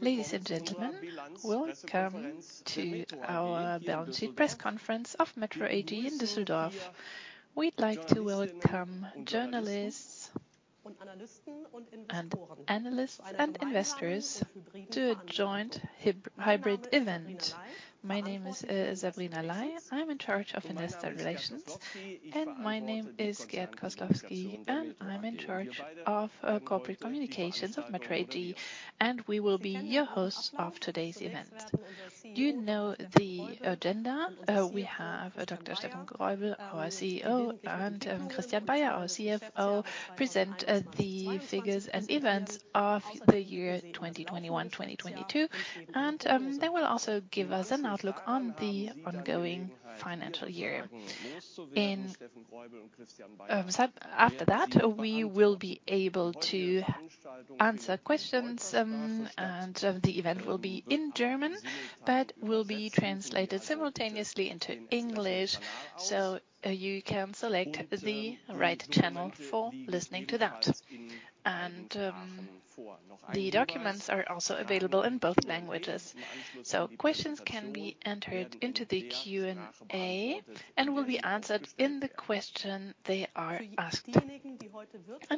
Ladies and gentlemen, welcome to our balance sheet press conference of METRO AG in Düsseldorf. We'd like to welcome journalists and analysts and investors to a joint hybrid event. My name is Sabrina Lai, I'm in charge of investor relations. My name is Gert Koslowski, and I'm in charge of corporate communications of METRO AG, and we will be your hosts of today's event. You know the agenda. We have Dr. Steffen Greubel, our CEO, and Christian Beyer, our CFO, present the figures and events of the year 2021, 2022. They will also give us an outlook on the ongoing financial year. After that, we will be able to answer questions, and the event will be in German, but will be translated simultaneously into English, so you can select the right channel for listening to that. The documents are also available in both languages. Questions can be entered into the Q&A and will be answered in the question they are asked.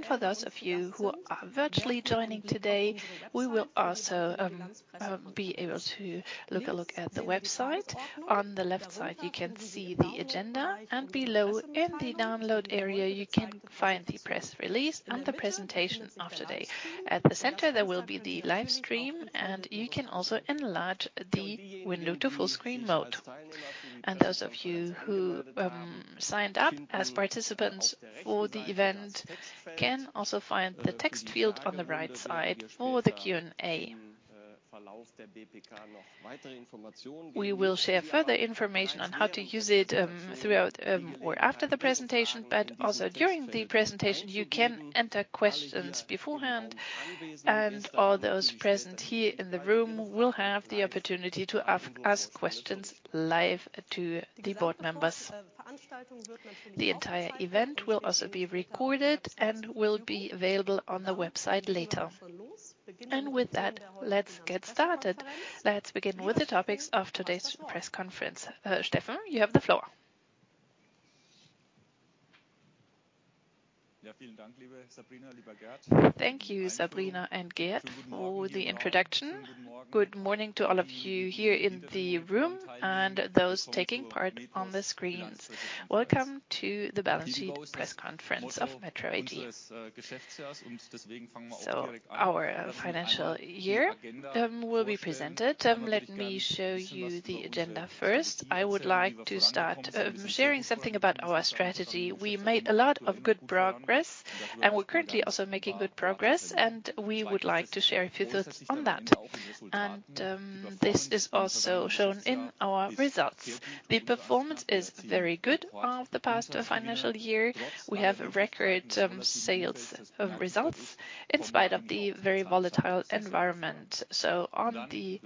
For those of you who are virtually joining today, we will also be able to look at the website. On the left side, you can see the agenda, below in the download area, you can find the press release and the presentation of today. At the center, there will be the live stream, you can also enlarge the window to full screen mode. Those of you who signed up as participants for the event can also find the text field on the right side for the Q&A. We will share further information on how to use it throughout or after the presentation, but also during the presentation. You can enter questions beforehand, and all those present here in the room will have the opportunity to ask questions live to the board members. The entire event will also be recorded and will be available on the website later. With that, let's get started. Let's begin with the topics of today's press conference. Steffen, you have the floor. Thank you, Sabrina and Gert, for the introduction. Good morning to all of you here in the room and those taking part on the screens. Welcome to the balance sheet press conference of METRO AG. Our financial year will be presented. Let me show you the agenda first. I would like to start sharing something about our strategy. We made a lot of good progress, and we're currently also making good progress, and we would like to share a few thoughts on that. This is also shown in our results. The performance is very good of the past financial year. We have record sales results in spite of the very volatile environment. On the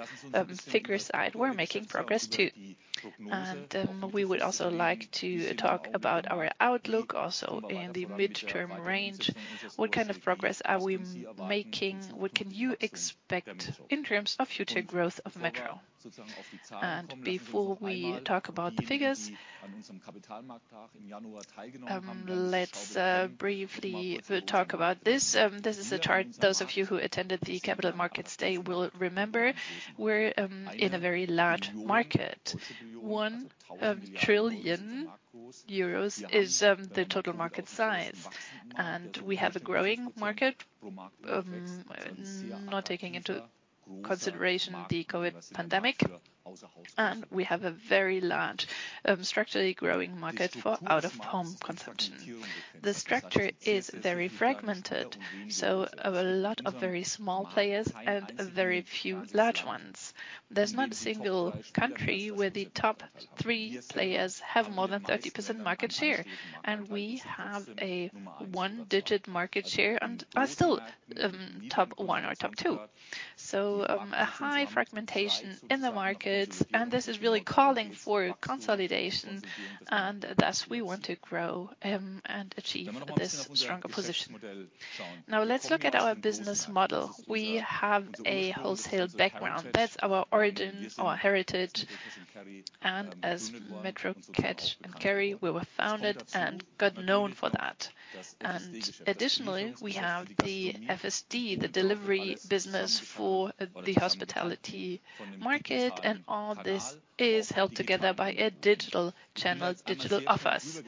figure side, we're making progress too. We would also like to talk about our outlook also in the midterm range. What kind of progress are we making? What can you expect in terms of future growth of METRO? Before we talk about the figures, let's briefly talk about this. This is a chart those of you who attended the Capital Markets Day will remember. We're in a very large market. 1 trillion euros is the total market size. We have a growing market, not taking into consideration the COVID pandemic. We have a very large, structurally growing market for out-of-home consumption. The structure is very fragmented, so a lot of very small players and very few large ones. There's not a single country where the top 3 players have more than 30% market share, and we have a one-digit market share and are still top 1 or top 2. A high fragmentation in the markets, and this is really calling for consolidation. Thus we want to grow and achieve this stronger position. Now let's look at our business model. We have a wholesale background. That's our origin, our heritage, and as METRO Cash & Carry, we were founded and got known for that. Additionally, we have the FSD, the delivery business for the hospitality market, and all this is held together by a digital channel, digital offers.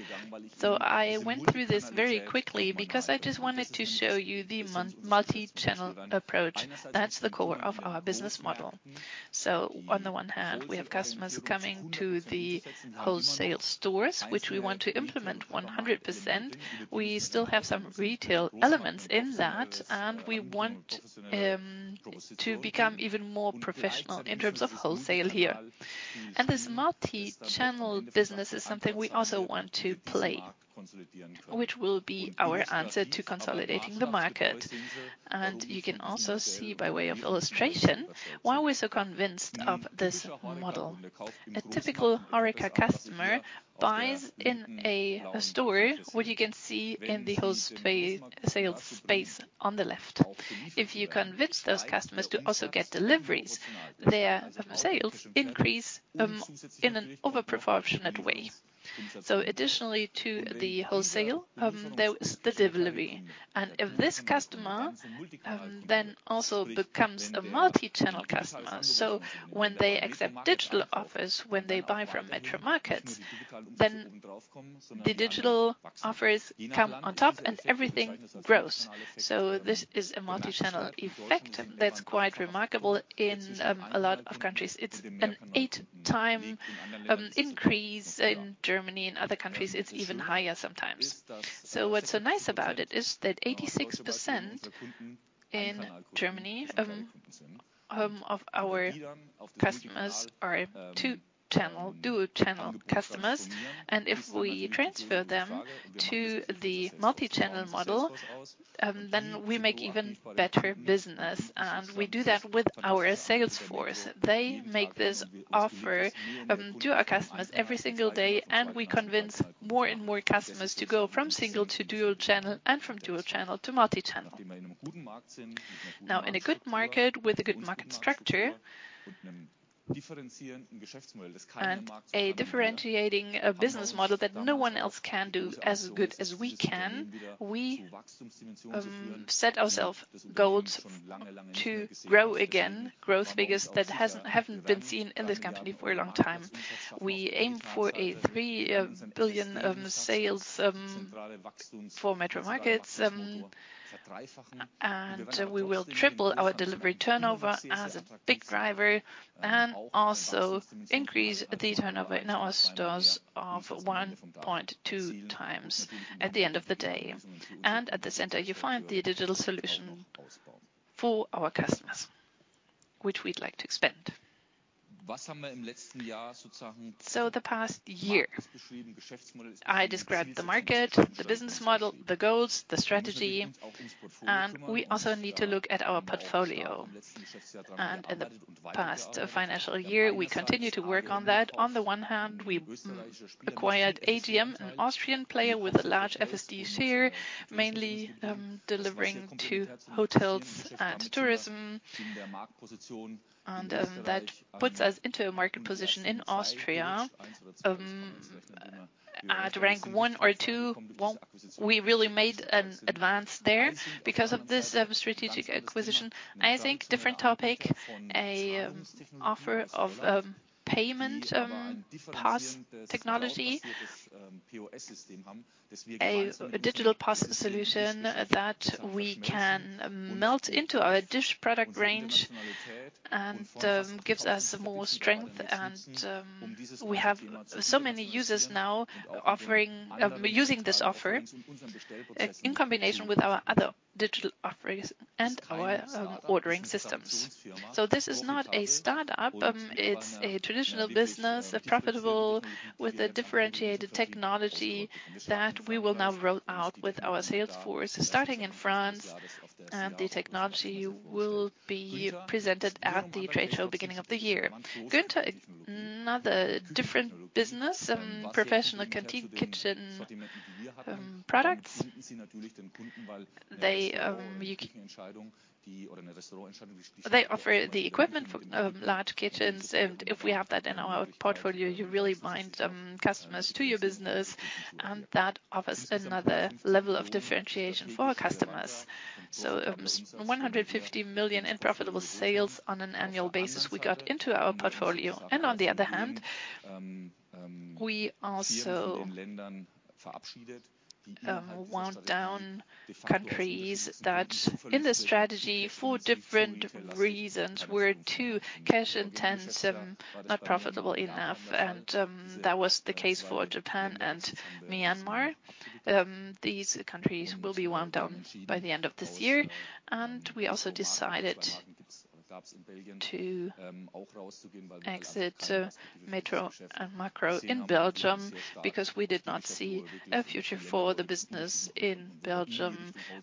I went through this very quickly because I just wanted to show you the multi-channel approach. That's the core of our business model. On the one hand, we have customers coming to the wholesale stores, which we want to implement 100%. We still have some retail elements in that, and we want to become even more professional in terms of wholesale here. This multi-channel business is something we also want to play, which will be our answer to consolidating the market. You can also see by way of illustration why we're so convinced of this model. A typical HoReCa customer buys in a store, what you can see in the whole sales space on the left. If you convince those customers to also get deliveries, their sales increase in an over-proportionate way. Additionally to the wholesale, there is the delivery. If this customer then also becomes a multi-channel customer, so when they accept digital offers, when they buy from METRO Markets, then the digital offers come on top and everything grows. This is a multi-channel effect that's quite remarkable in a lot of countries. It's an eight-time increase in Germany. In other countries, it's even higher sometimes. What's so nice about it is that 86% in Germany of our customers are a dual-channel customers, and if we transfer them to the multi-channel model, then we make even better business. We do that with our sales force. They make this offer to our customers every single day, and we convince more and more customers to go from single to dual channel and from dual channel to multi-channel. In a good market with a good market structure and a differentiating business model that no one else can do as good as we can, we set ourself goals to grow again, growth figures that haven't been seen in this company for a long time. We aim for a 3 billion sales for METRO MARKETS, and we will triple our delivery turnover as a big driver and also increase the turnover in our stores of 1.2x at the end of the day. At the center, you find the digital solution for our customers, which we'd like to expand. The past year, I described the market, the business model, the goals, the strategy, and we also need to look at our portfolio. In the past financial year, we continued to work on that. On the one hand, we acquired AGM, an Austrian player with a large FSD share, mainly delivering to hotels and tourism. That puts us into a market position in Austria at rank one or two. Well, we really made an advance there because of this strategic acquisition. I think different topic, a offer of payment POS technology, a digital POS solution that we can melt into our DISH product range and gives us more strength and we have so many users now using this offer in combination with our other digital offerings and our ordering systems. This is not a startup. It's a traditional business, profitable, with a differentiated technology that we will now roll out with our sales force starting in France, and the technology will be presented at the trade show beginning of the year. Günz is another different business, professional canteen kitchen products. They offer the equipment for large kitchens, and if we have that in our portfolio, you really bind customers to your business, and that offers another level of differentiation for our customers. 150 million in profitable sales on an annual basis we got into our portfolio. On the other hand, we also wound down countries that in the strategy for different reasons were too cash intense, not profitable enough, and that was the case for Japan and Myanmar. These countries will be wound down by the end of this year. We also decided to exit METRO and MAKRO in Belgium because we did not see a future for the business in Belgium.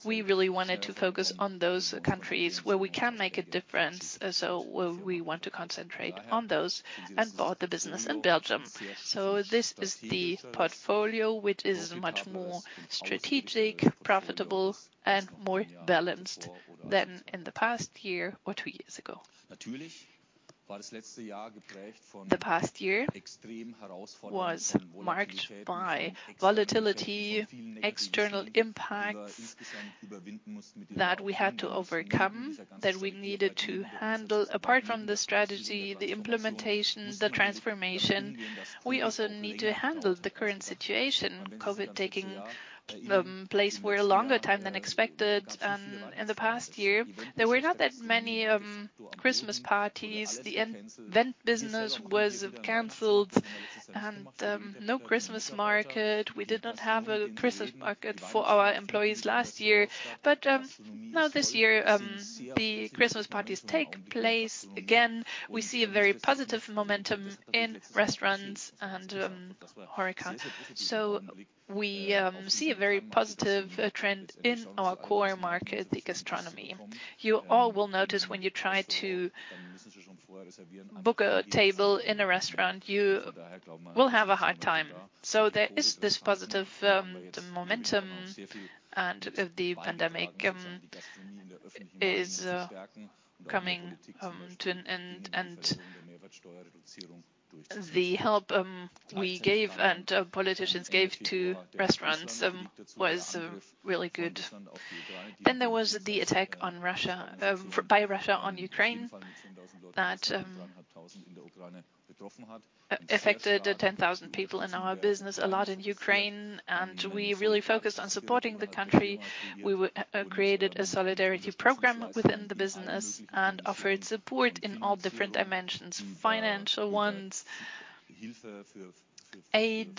We really wanted to focus on those countries where we can make a difference, so we want to concentrate on those and bought the business in Belgium. This is the portfolio, which is much more strategic, profitable, and more balanced than in the past year or two years ago. The past year was marked by volatility, external impacts that we had to overcome, that we needed to handle. Apart from the strategy, the implementation, the transformation, we also need to handle the current situation, COVID taking place for a longer time than expected in the past year. There were not that many Christmas parties. The event business was canceled, no Christmas market. We did not have a Christmas market for our employees last year. Now this year, the Christmas parties take place again. We see a very positive momentum in restaurants and HoReCa. We see a very positive trend in our core market, the gastronomy. You all will notice when you try to book a table in a restaurant, you will have a hard time. There is this positive momentum and the pandemic is coming to an end, and the help we gave and politicians gave to restaurants was really good. There was the attack by Russia on Ukraine that affected 10,000 people in our business a lot in Ukraine, and we really focused on supporting the country. We created a solidarity program within the business and offered support in all different dimensions, financial ones, aid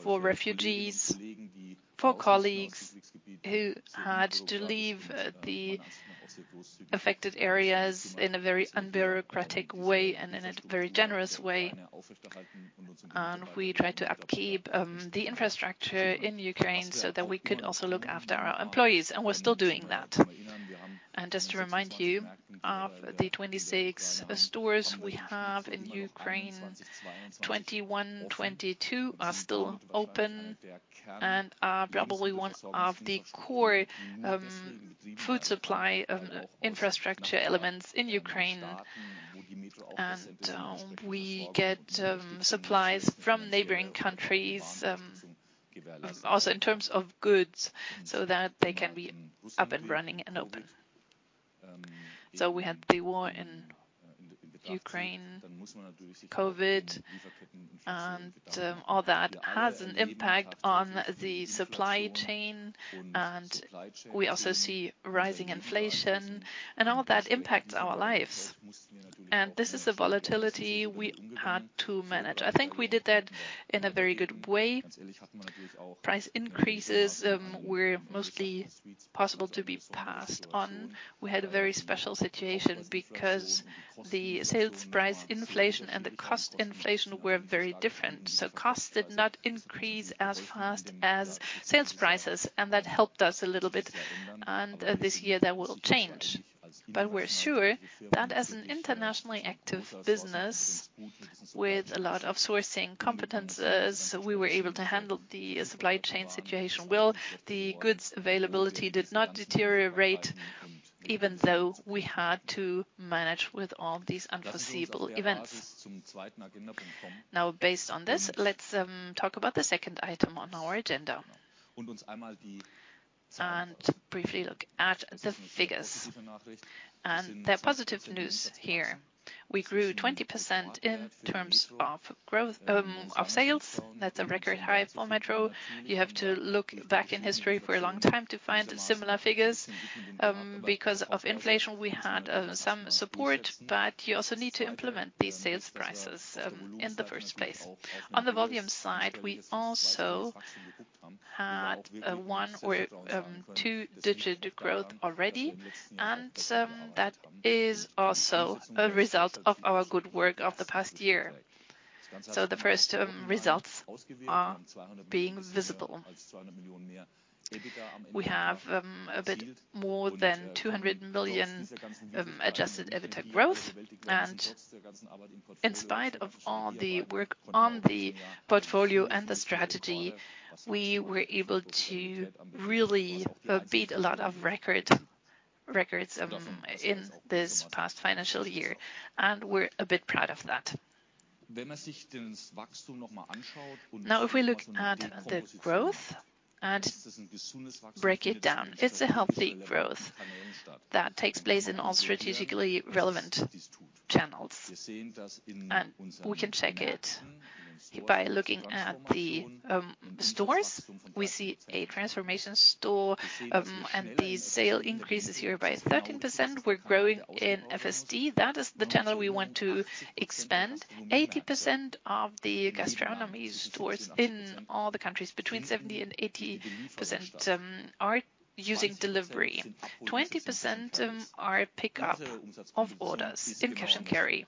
for refugees, for colleagues who had to leave the affected areas in a very unbureaucratic way and in a very generous way. We tried to upkeep the infrastructure in Ukraine so that we could also look after our employees, and we're still doing that. Just to remind you, of the 26 stores we have in Ukraine, 21, 22 are still open and are probably one of the core food supply infrastructure elements in Ukraine. We get supplies from neighboring countries also in terms of goods, so that they can be up and running and open. We had the war in Ukraine, COVID and all that has an impact on the supply chain, and we also see rising inflation and all that impacts our lives. This is a volatility we had to manage. I think we did that in a very good way. Price increases were mostly possible to be passed on. We had a very special situation because the sales price inflation and the cost inflation were very different. Costs did not increase as fast as sales prices, and that helped us a little bit. This year that will change. We're sure that as an internationally active business with a lot of sourcing competencies, we were able to handle the supply chain situation well. The goods availability did not deteriorate, even though we had to manage with all these unforeseeable events. Based on this, let's talk about the second item on our agenda and briefly look at the figures. There are positive news here. We grew 20% in terms of growth of sales. That's a record high for METRO. You have to look back in history for a long time to find similar figures. Because of inflation, we had some support, but you also need to implement these sales prices in the first place. On the volume side, we also had a one or two-digit growth already, that is also a result of our good work of the past year. The first results are being visible. We have a bit more than 200 million adjusted EBITDA growth. In spite of all the work on the portfolio and the strategy, we were able to really beat a lot of records in this past financial year. We're a bit proud of that. Now, if we look at the growth and break it down, it's a healthy growth that takes place in all strategically relevant channels. We can check it by looking at the stores. We see a transformation store, and the sale increases here by 13%. We're growing in FSD. That is the channel we want to expand. 80% of the gastronomy stores in all the countries, between 70% and 80%, are using delivery. 20% are pickup of orders in Cash & Carry.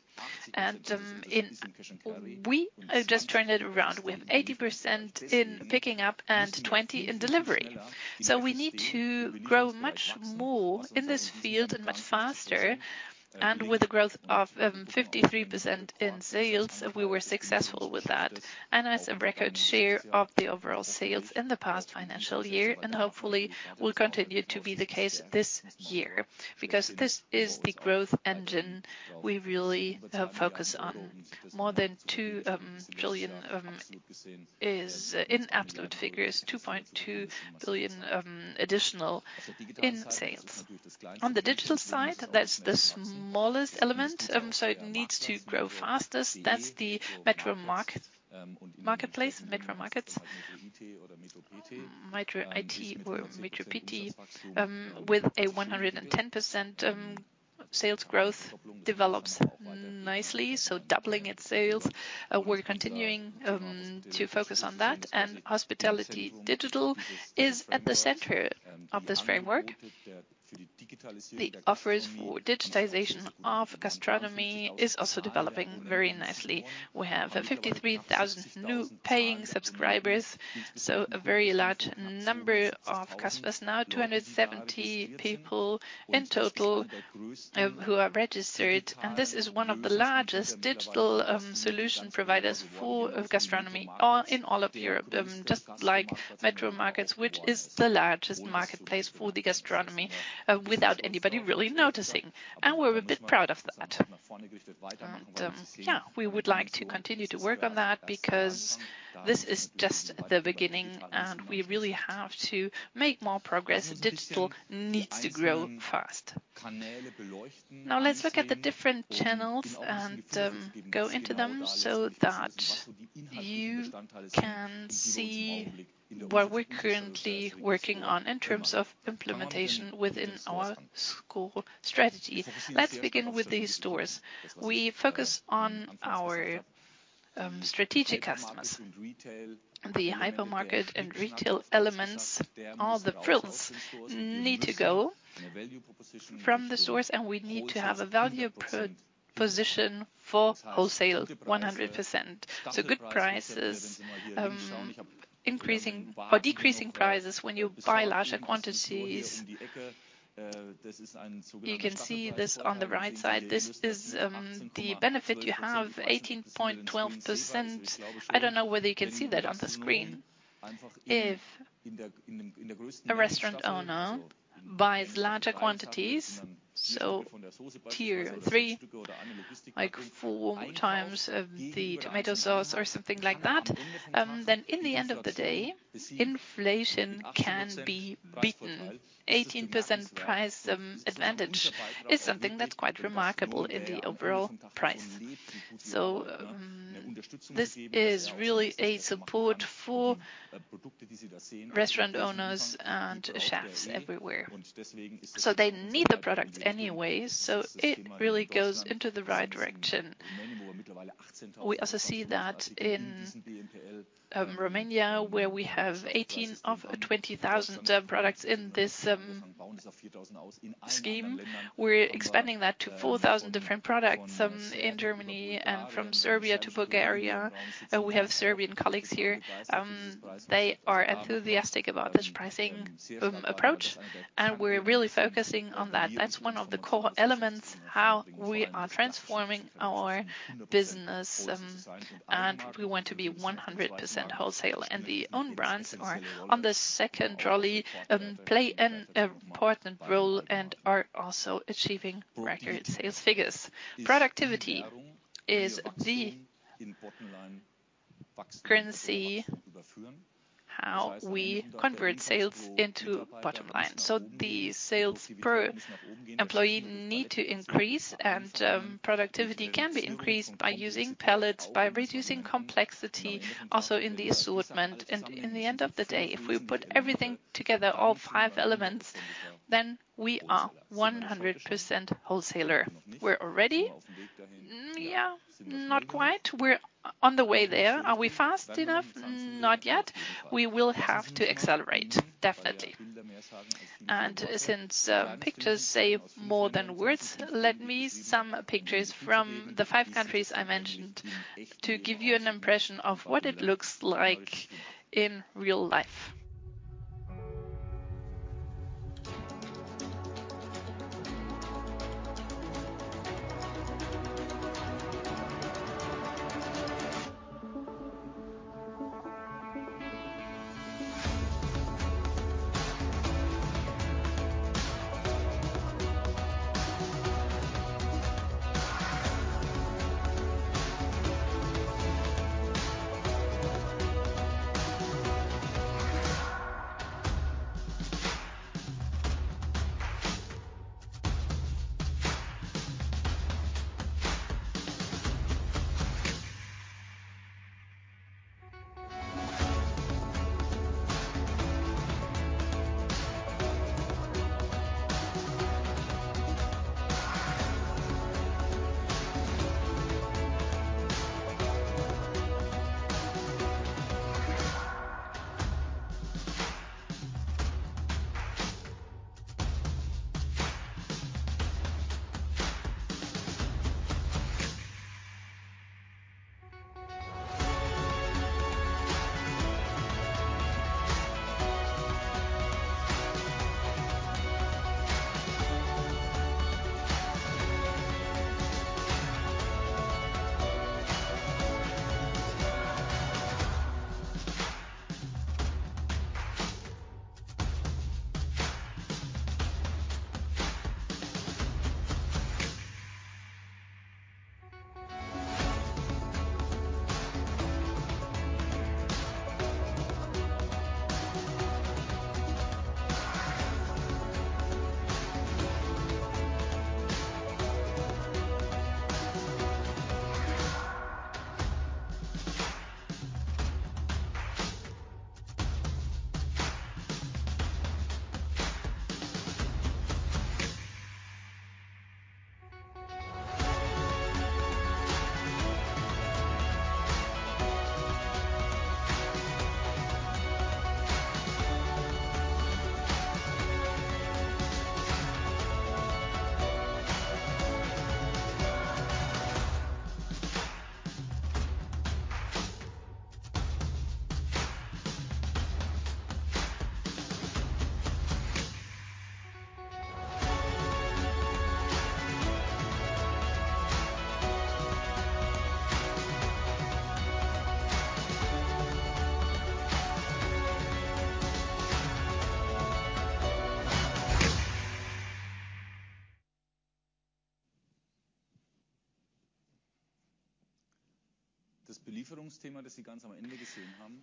We have just turned it around with 80% in picking up and 20% in delivery. We need to grow much more in this field and much faster. With a growth of 53% in sales, we were successful with that and has a record share of the overall sales in the past financial year and hopefully will continue to be the case this year because this is the growth engine we really focus on. More than 2 billion is in absolute figures, 2.2 billion additional in sales. On the digital side, that's the smallest element, it needs to grow fastest. That's the METRO Markets, METRO IT or METRO PT, with a 110% sales growth develops nicely, doubling its sales. We're continuing to focus on that, and Hospitality Digital is at the center of this framework. The offers for digitization of gastronomy is also developing very nicely. We have 53,000 new paying subscribers, so a very large number of customers, now 270 people in total, who are registered, and this is one of the largest digital solution providers for gastronomy all, in all of Europe, just like METRO MARKETS, which is the largest marketplace for the gastronomy, without anybody really noticing. We're a bit proud of that. Yeah, we would like to continue to work on that because this is just the beginning, and we really have to make more progress. Digital needs to grow fast. Let's look at the different channels and go into them so that you can see what we're currently working on in terms of implementation within our sCore strategy. Let's begin with the stores. We focus on our strategic customers. The hypermarket and retail elements, all the frills need to go from the stores, and we need to have a value per position for wholesale 100%. Good prices, increasing or decreasing prices when you buy larger quantities. You can see this on the right side. This is the benefit you have, 18.12%. I don't know whether you can see that on the screen. If a restaurant owner buys larger quantities, so tier 3, like 4x of the tomato sauce or something like that, then in the end of the day, inflation can be beaten. 18% price advantage is something that's quite remarkable in the overall price. This is really a support for restaurant owners and chefs everywhere. They need the products anyway, so it really goes into the right direction. We also see that in Romania, where we have 18 of 20,000 products in this scheme. We're expanding that to 4,000 different products in Germany and from Serbia to Bulgaria. We have Serbian colleagues here. They are enthusiastic about this pricing approach, and we're really focusing on that. That's one of the core elements, how we are transforming our business, and we want to be 100% wholesale. The own brands are on the second trolley, play an important role and are also achieving record sales figures. Productivity is the currency how we convert sales into bottom line. The sales per employee need to increase, and productivity can be increased by using pallets, by reducing complexity also in the assortment. In the end of the day, if we put everything together, all five elements, then we are 100% wholesaler. We're already? Yeah, not quite. We're on the way there. Are we fast enough? Not yet. We will have to accelerate, definitely. Since pictures say more than words, let me some pictures from the five countries I mentioned to give you an impression of what it looks like in real life.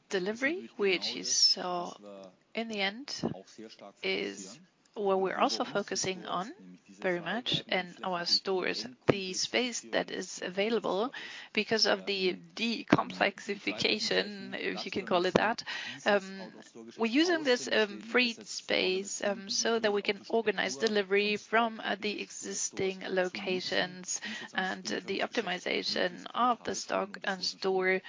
Delivery, which is, in the end is what we're also focusing on very much in our stores. The space that is available because of the de-complexification, if you can call it that, we're using this free space so that we can organize delivery from the existing locations, and the optimization of the stock and store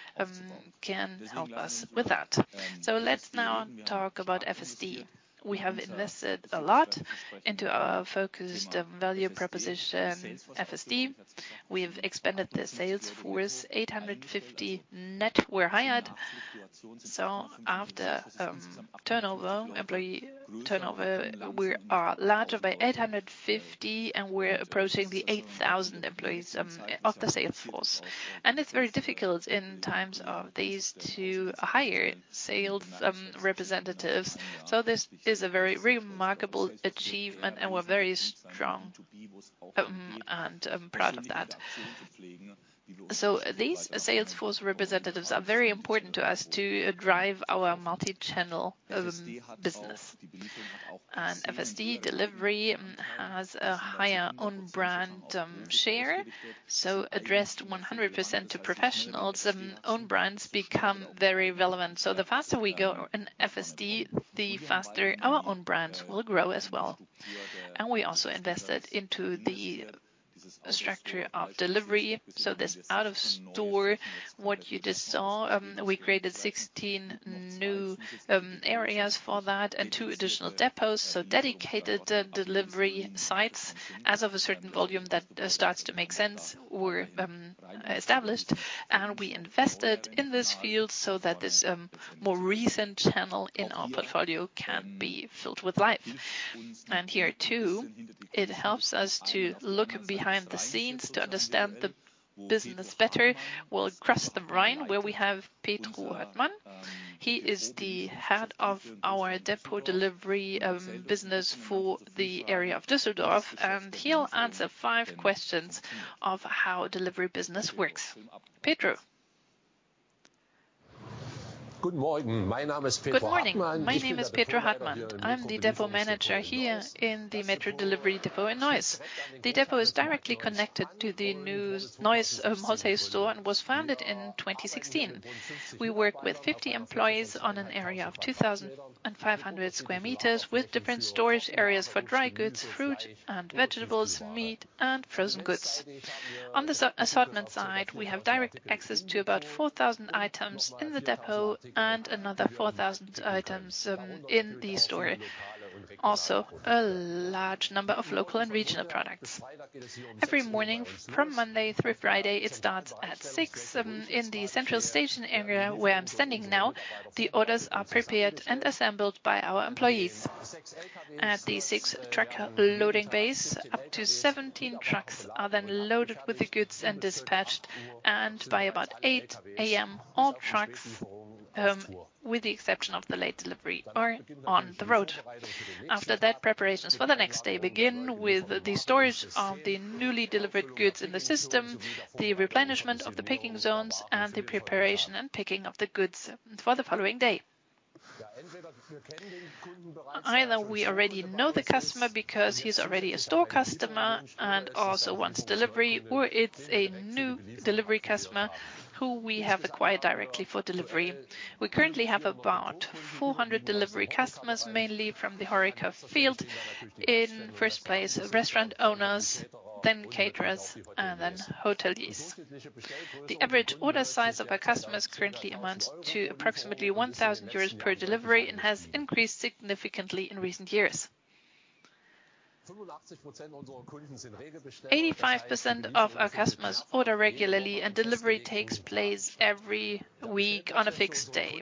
can help us with that. Let's now talk about FSD. We have invested a lot into our focused value proposition, FSD. We've expanded the sales force. 850 net were hired. After turnover, employee turnover, we are larger by 850, and we're approaching the 8,000 employees of the sales force. It's very difficult in times of these to hire sales representatives. This is a very remarkable achievement, and we're very strong, and I'm proud of that. These sales force representatives are very important to us to drive our multi-channel business. FSD delivery has a higher own brand share, so addressed 100% to professionals, own brands become very relevant. The faster we go in FSD, the faster our own brands will grow as well. We also invested into the structure of delivery. This out of store, what you just saw, we created 16 new areas for that and two additional depots. Dedicated delivery sites as of a certain volume that starts to make sense were established, and we invested in this field so that this more recent channel in our portfolio can be filled with life. Here, too, it helps us to look behind the scenes to understand the business better. We'll cross the Rhine, where we have Pedro Hartmann. He is the head of our depot delivery business for the area of Düsseldorf, and he'll answer five questions of how delivery business works. Pedro. Good morning. My name is Pedro Hartmann. Good morning. My name is Pedro Hartmann. I'm the depot manager here in the METRO delivery depot in Neuss. The depot is directly connected to the new Neuss wholesale store and was founded in 2016. We work with 50 employees on an area of 2,500 square meters with different storage areas for dry goods, fruit and vegetables, meat and frozen goods. On the as-assortment side, we have direct access to about 4,000 items in the depot and another 4,000 items in the store. A large number of local and regional products. Every morning from Monday through Friday, it starts at 6:00 A.M. in the central station area where I'm standing now. The orders are prepared and assembled by our employees. At the six-truck loading bays, up to 17 trucks are then loaded with the goods and dispatched, and by about 8:00 A.M., all trucks, with the exception of the late delivery, are on the road. After that, preparations for the next day begin with the storage of the newly delivered goods in the system, the replenishment of the picking zones, and the preparation and picking of the goods for the following day. Either we already know the customer because he's already a store customer and also wants delivery, or it's a new delivery customer who we have acquired directly for delivery. We currently have about 400 delivery customers, mainly from the HoReCa field. In first place, restaurant owners, then caterers, and then hoteliers. The average order size of our customers currently amounts to approximately 1,000 euros per delivery and has increased significantly in recent years. 85% of our customers order regularly, and delivery takes place every week on a fixed day.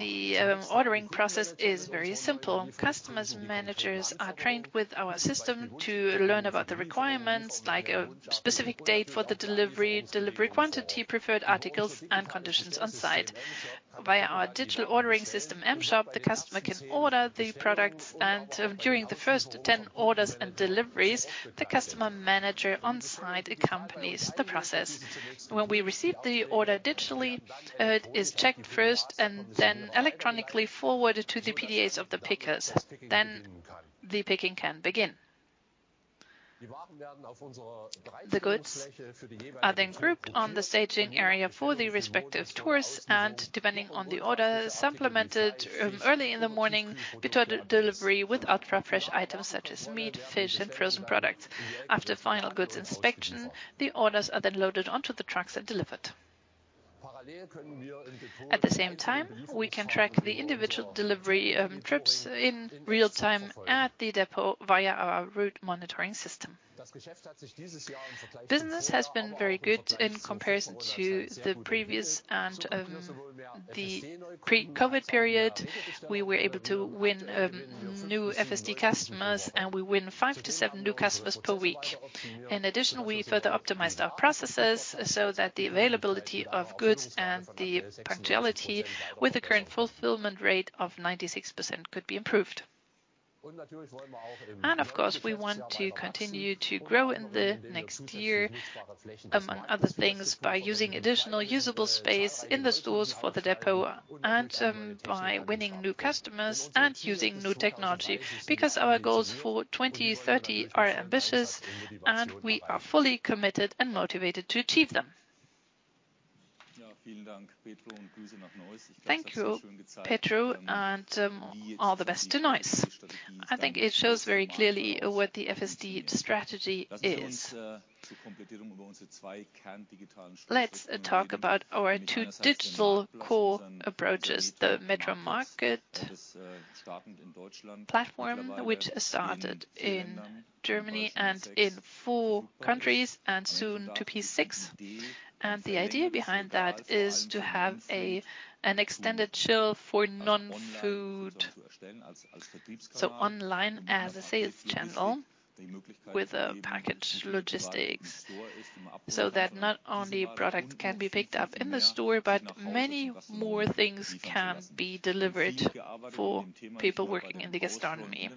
The ordering process is very simple. Customers managers are trained with our system to learn about the requirements, like a specific date for the delivery quantity, preferred articles, and conditions on site. Via our digital ordering system, M.Shop, the customer can order the products, and during the first 10 orders and deliveries, the customer manager on-site accompanies the process. When we receive the order digitally, it is checked first and then electronically forwarded to the PDAs of the pickers. The picking can begin. The goods are then grouped on the staging area for the respective tours and, depending on the order, supplemented early in the morning before delivery with ultra-fresh items such as meat, fish, and frozen products. After final goods inspection, the orders are then loaded onto the trucks and delivered. At the same time, we can track the individual delivery trips in real time at the depot via our route monitoring system. Business has been very good in comparison to the previous and the pre-COVID period. We were able to win new FSD customers. We win five to seven new customers per week. In addition, we further optimized our processes so that the availability of goods and the punctuality with the current fulfillment rate of 96% could be improved. Of course, we want to continue to grow in the next year, among other things, by using additional usable space in the stores for the depot and by winning new customers and using new technology, because our goals for 2030 are ambitious, and we are fully committed and motivated to achieve them. Thank you, Pedro, and all the best to Neuss. I think it shows very clearly what the FSD strategy is. Let's talk about our two digital core approaches, the METRO MARKETS platform, which started in Germany and in four countries and soon to be six. The idea behind that is to have an extended chill for non-food, so online as a sales channel with a package logistics, so that not only products can be picked up in the store, but many more things can be delivered for people working in the gastronomy.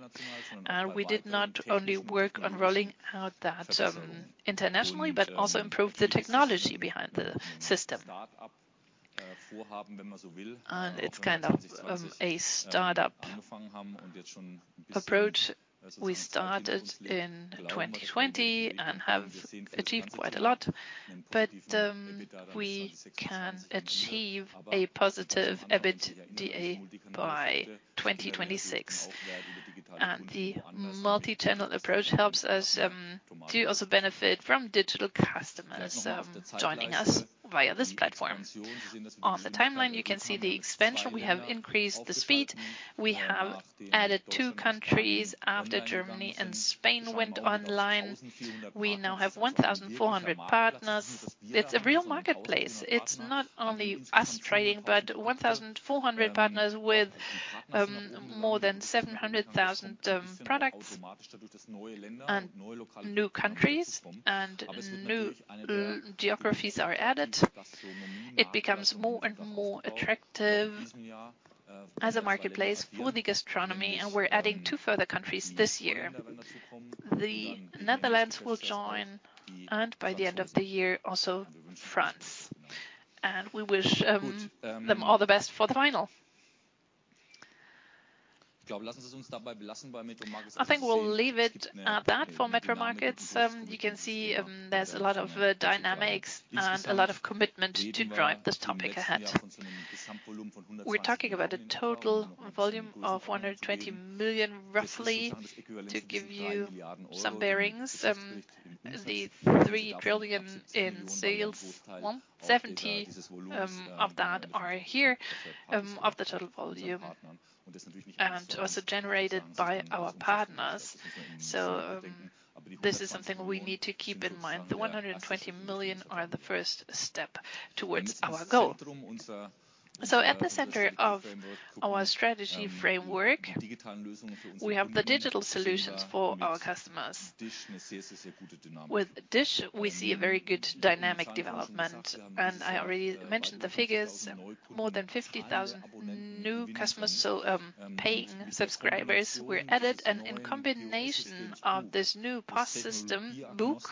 We did not only work on rolling out that internationally, but also improve the technology behind the system. It's kind of a startup approach. We started in 2020 and have achieved quite a lot, but we can achieve a positive EBITDA by 2026. The multi-channel approach helps us to also benefit from digital customers joining us via this platform. On the timeline, you can see the expansion. We have increased the speed. We have added two countries after Germany and Spain went online. We now have 1,400 partners. It's a real marketplace. It's not only us trading, but 1,400 partners with more than 700,000 products and new countries and new geographies are added. It becomes more and more attractive as a marketplace for the gastronomy, and we're adding two further countries this year. The Netherlands will join, and by the end of the year, also France. We wish them all the best for the final. I think we'll leave it at that for METRO MARKETS. You can see there's a lot of dynamics and a lot of commitment to drive this topic ahead. We're talking about a total volume of 120 million, roughly. To give you some bearings, the 3 trillion in sales, 170 million of that are here, of the total volume and also generated by our partners. This is something we need to keep in mind. The 120 million are the first step towards our goal. At the center of our strategy framework, we have the digital solutions for our customers. With DISH, we see a very good dynamic development. I already mentioned the figures. More than 50,000 new customers, paying subscribers were added. In combination of this new POS system, book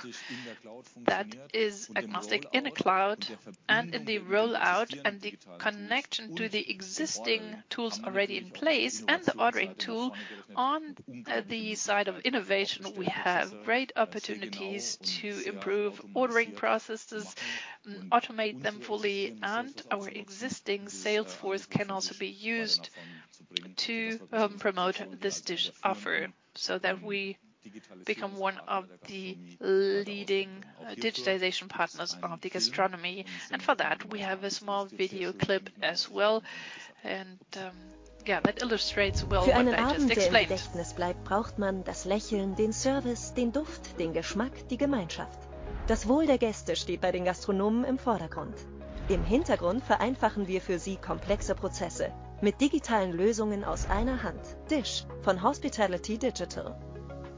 that is agnostic in a cloud and in the rollout and the connection to the existing tools already in place and the ordering tool. On the side of innovation, we have great opportunities to improve ordering processes, automate them fully, and our existing sales force can also be used to promote this DISH offer, so that we become one of the leading digitization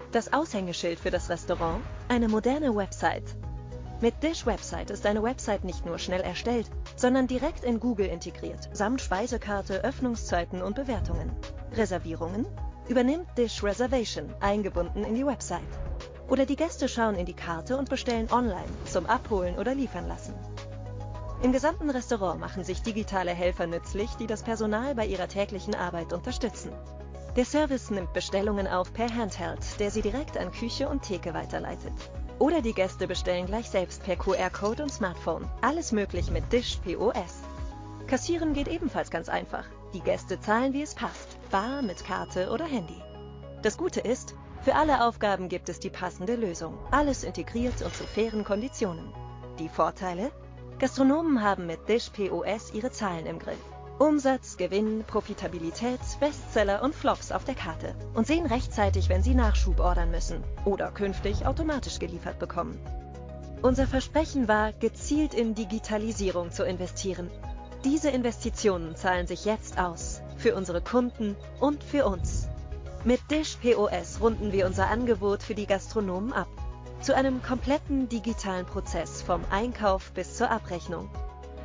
partners of the gastronomy. For that, we have a small video clip as well. Yeah, that illustrates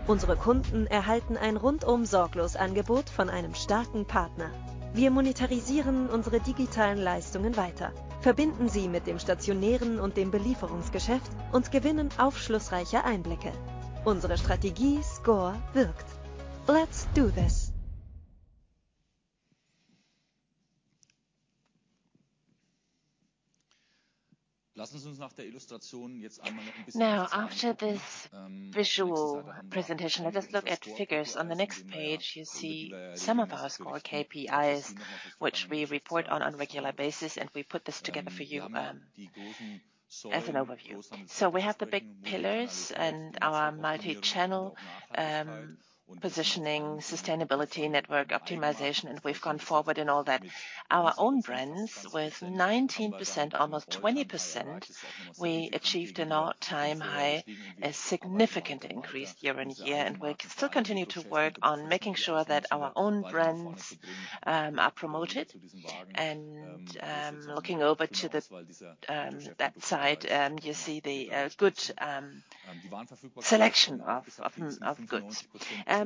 well what I just explained. After this visual presentation, let us look at figures. On the next page, you see some of our sCore KPIs, which we report on regular basis, we put this together for you as an overview. We have the big pillars and our multichannel positioning, sustainability, network optimization, we've gone forward in all that. Our own brands with 19%, almost 20%, we achieved an all-time high, a significant increase year-on-year. We still continue to work on making sure that our own brands are promoted. Looking over to the that side, you see the good selection of goods.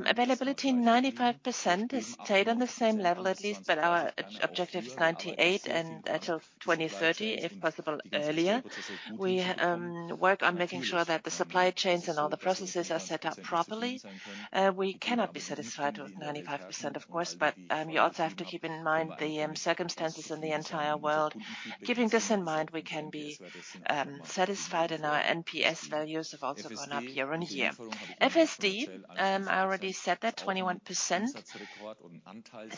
Availability, 95%, has stayed on the same level at least, but our objective is 98%, until 2030, if possible earlier. We work on making sure that the supply chains and all the processes are set up properly. We cannot be satisfied with 95%, of course, but you also have to keep in mind the circumstances in the entire world. Keeping this in mind, we can be satisfied, and our NPS values have also gone up year-over-year. FSD, I already said that, 21%.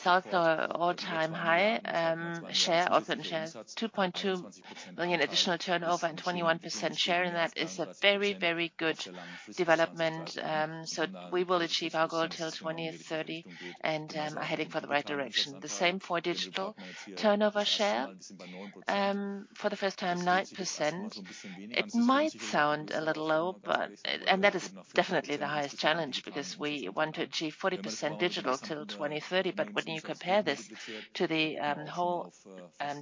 That's our all-time high share. 2.2 billion additional turnover and 21% share in that is a very, very good development. We will achieve our goal till 2030 and are heading for the right direction. The same for digital turnover share. For the first time, 9%. It might sound a little low, but... That is definitely the highest challenge because we want to achieve 40% digital till 2030. When you compare this to the whole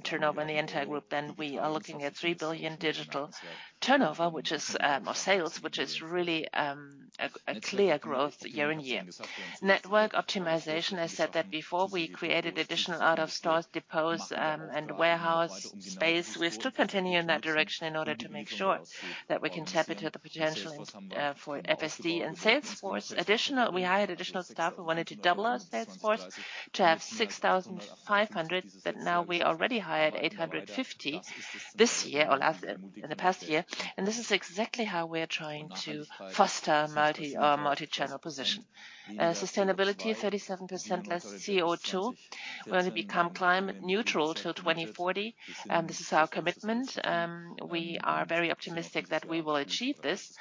turnover in the entire group, we are looking at 3 billion digital turnover, or sales, which is really a clear growth year-over-year. Network optimization, I said that before. We created additional out-of-stores depots and warehouse space. We have to continue in that direction in order to make sure that we can tap into the potential for FSD and Salesforce. We hired additional staff. We wanted to double our Salesforce to have 6,500 that now we already hired 850 this year or last year, in the past year. This is exactly how we are trying to foster multichannel position. Sustainability, 37% less CO2. We wanna become climate neutral till 2040. This is our commitment. We are very optimistic that we will achieve this.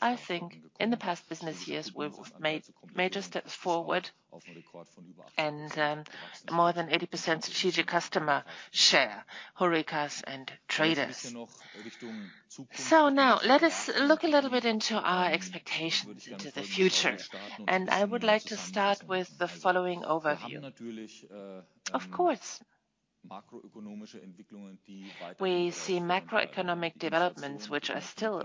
I think in the past business years, we've made major steps forward and more than 80% strategic customer share, HoReCas and traders. Now let us look a little bit into our expectations into the future, and I would like to start with the following overview. Of course, we see macroeconomic developments which are still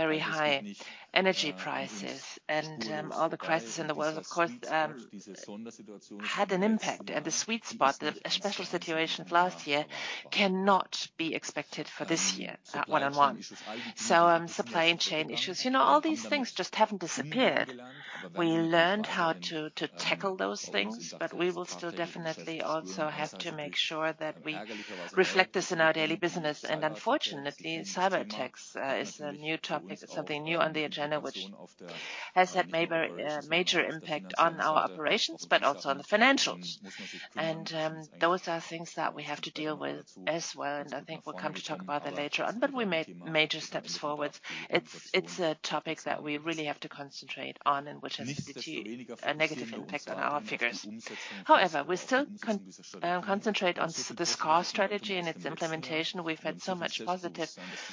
very high. Energy prices and all the crisis in the world of course had an impact. The sweet spot, the special situation of last year cannot be expected for this year, one-on-one. Supply and chain issues, you know, all these things just haven't disappeared. We learned how to tackle those things, but we will still definitely also have to make sure that we reflect this in our daily business. Unfortunately, cyberattacks is a new topic. It's something new on the agenda, which has had major impact on our operations, but also on the financials. Those are things that we have to deal with as well, and I think we'll come to talk about that later on. We made major steps forwards. It's a topic that we really have to concentrate on and which has achieved a negative impact on our figures. However, we still concentrate on the sCore strategy and its implementation. We've had so much positive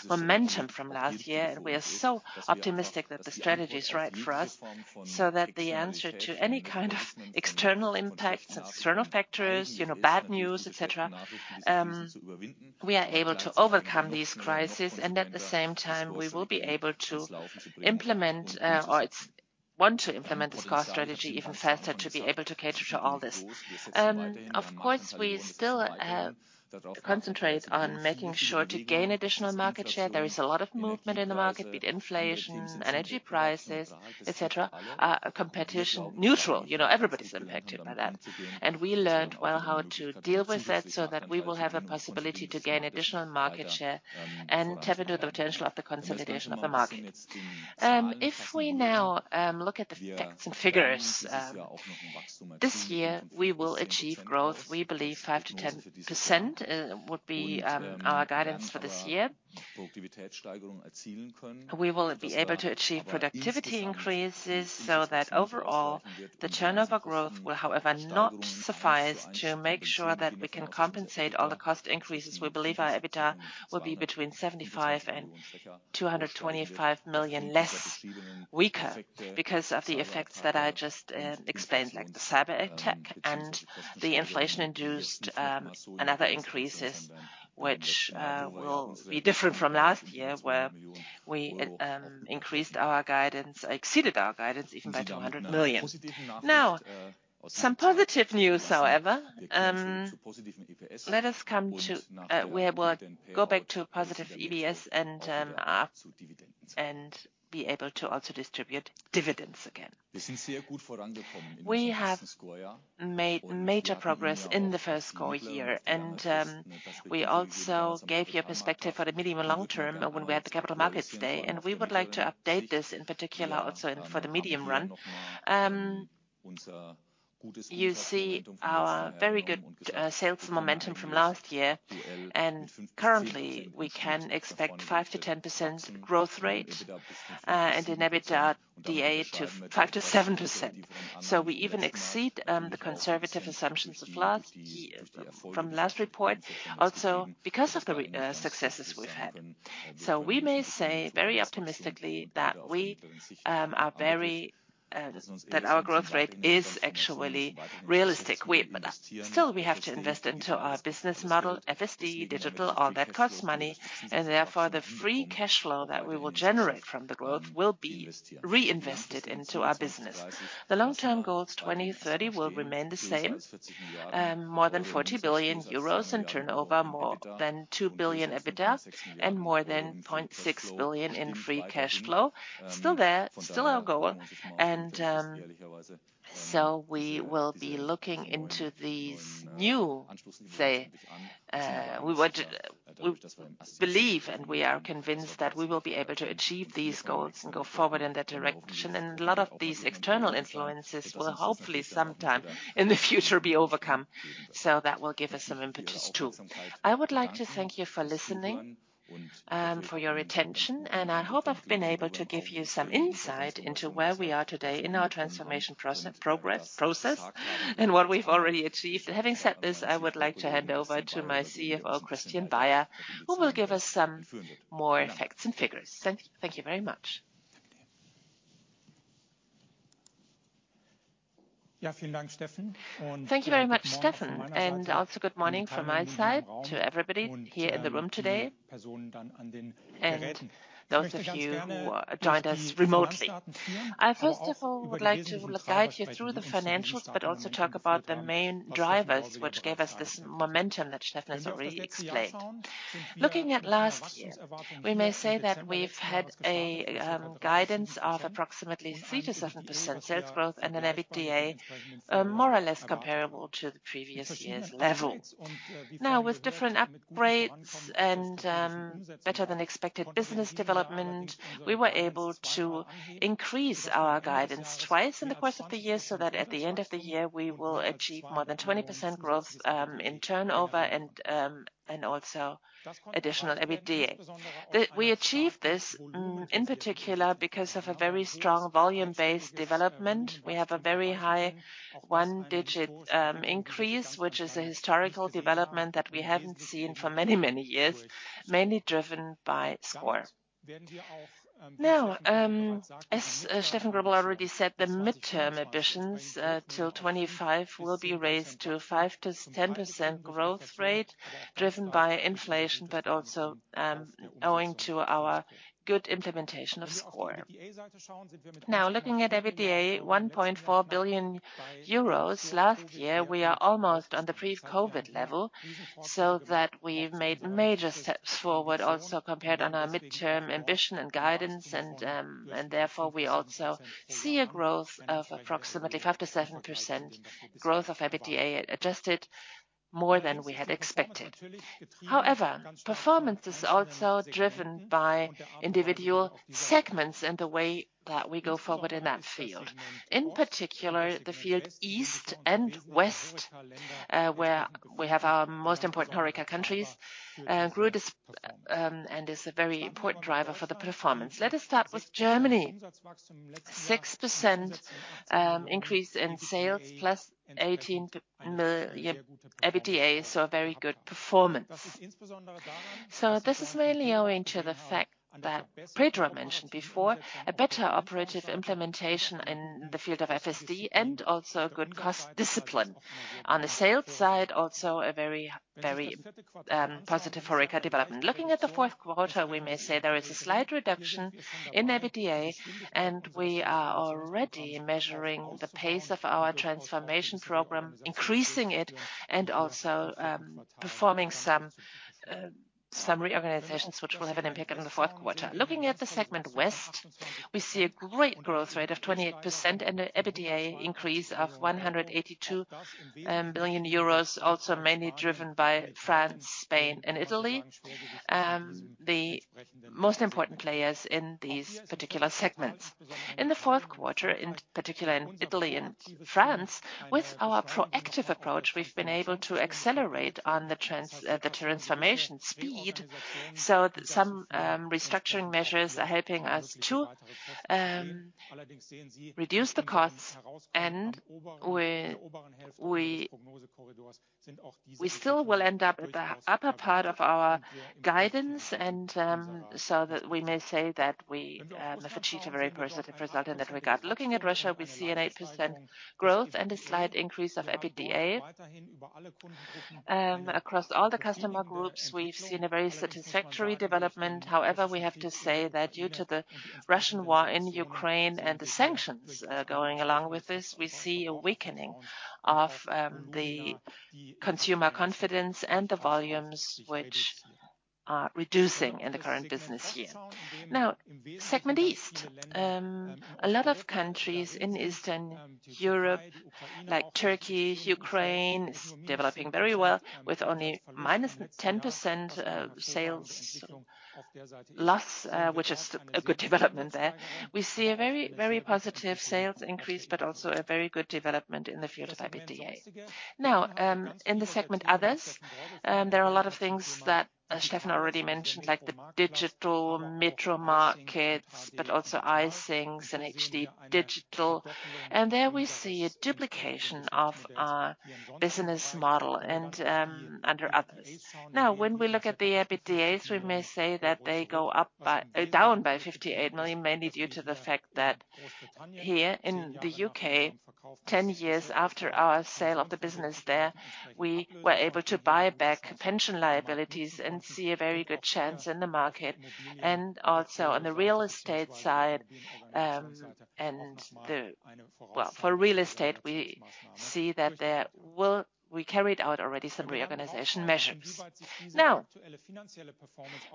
momentum from last year, and we are so optimistic that the strategy is right for us, so that the answer to any kind of external impacts of external factors, you know, bad news, et cetera, we are able to overcome these crisis, and at the same time we will be able to implement, or want to implement the sCore strategy even faster to be able to cater to all this. Of course, we still have concentrate on making sure to gain additional market share. There is a lot of movement in the market with inflation, energy prices, et cetera, competition. Neutral, you know, everybody's impacted by that. We learned well how to deal with that so that we will have a possibility to gain additional market share and tap into the potential of the consolidation of the market. If we now look at the facts and figures, this year we will achieve growth. We believe 5%-10% would be our guidance for this year. We will be able to achieve productivity increases so that overall the turnover growth will, however, not suffice to make sure that we can compensate all the cost increases. We believe our EBITDA will be between 75 million and 225 million less weaker because of the effects that I just explained, like the cyberattack and the inflation-induced and other increases which will be different from last year, where we exceeded our guidance even by 200 million. Some positive news, however. Let us come to we will go back to positive EBS and be able to also distribute dividends again. We have made major progress in the first sCore year. We also gave you a perspective for the medium and long term when we had the Capital Markets Roadshow. We would like to update this, in particular also for the medium run. You see our very good sales momentum from last year. Currently we can expect 5%-10% growth rate and an EBITDA to 5%-7%. We even exceed the conservative assumptions of last year from last report also because of the successes we've had. We may say very optimistically that we are very that our growth rate is actually realistic. Still we have to invest into our business model, FSD, digital, all that costs money, and therefore the free cash flow that we will generate from the growth will be reinvested into our business. The long-term goals 2030 will remain the same, more than 40 billion euros in turnover, more than 2 billion EBITDA, and more than 0.6 billion in free cash flow. Still there, still our goal. We will be looking into these new, say, we want to believe and we are convinced that we will be able to achieve these goals and go forward in that direction. A lot of these external influences will hopefully sometime in the future be overcome. That will give us some impetus too. I would like to thank you for listening, for your attention, and I hope I've been able to give you some insight into where we are today in our transformation process, and what we've already achieved. Having said this, I would like to hand over to my CFO Christian Beyer, who will give us some more facts and figures. Thank you very much. Thank you very much, Steffen. Also good morning from my side to everybody here in the room today, and those of you who joined us remotely. I first of all would like to guide you through the financials, but also talk about the main drivers which gave us this momentum that Steffen has already explained. Looking at last year, we may say that we've had a guidance of approximately 3%-7% sales growth and an EBITDA more or less comparable to the previous year's level. With different upgrades and better-than-expected business development, we were able to increase our guidance twice in the course of the year, so that at the end of the year we will achieve more than 20% growth in turnover and also additional EBITDA. We achieved this in particular because of a very strong volume-based development. We have a very high one-digit increase, which is a historical development that we haven't seen for many, many years, mainly driven by sCore. As Steffen Greubel already said, the midterm ambitions till 2025 will be raised to 5%-10% growth rate, driven by inflation, also owing to our good implementation of sCore. Looking at EBITDA, 1.4 billion euros last year, we are almost on the pre-COVID level, so that we've made major steps forward also compared on our midterm ambition and guidance and, therefore we also see a growth of approximately 5%-7% growth of EBITDA adjusted more than we had expected. Performance is also driven by individual segments and the way that we go forward in that field. In particular, the field East and West, where we have our most important HoReCa countries, grew this and is a very important driver for the performance. Let us start with Germany. 6% increase in sales plus 18 million EBITDA. This is a very good performance. This is mainly owing to the fact that Pedro mentioned before, a better operative implementation in the field of FSD and also a good cost discipline. On the sales side, also a very, very positive HoReCa development. Looking at the fourth quarter, we may say there is a slight reduction in EBITDA. We are already measuring the pace of our transformation program, increasing it, and also performing some reorganizations which will have an impact on the fourth quarter. Looking at the segment West. We see a great growth rate of 28% and an EBITDA increase of 182 billion euros, also mainly driven by France, Spain and Italy, the most important players in these particular segments. In the fourth quarter, in particular in Italy and France, with our proactive approach, we've been able to accelerate on the transformation speed, some restructuring measures are helping us to reduce the costs and we still will end up at the upper part of our guidance and that we may say that we have achieved a very positive result in that regard. Looking at Russia, we see an 8% growth and a slight increase of EBITDA. Across all the customer groups, we've seen a very satisfactory development. However, we have to say that due to the Russian war in Ukraine and the sanctions going along with this, we see a weakening of the consumer confidence and the volumes which are reducing in the current business year. Segment East. A lot of countries in Eastern Europe, like Turkey, Ukraine, is developing very well with only minus 10% sales loss, which is a good development there. We see a very, very positive sales increase, but also a very good development in the field of EBITDA. In the segment Others, there are a lot of things that Steffen already mentioned, like the digital METRO MARKETS, but also iSigns and HD digital. There we see a duplication of our business model and under Others. When we look at the EBITDAs, we may say that they go down by 58 million, mainly due to the fact that here in the UK, 10 years after our sale of the business there, we were able to buy back pension liabilities and see a very good chance in the market. Also on the real estate side. Well, for real estate, we see that we carried out already some reorganization measures.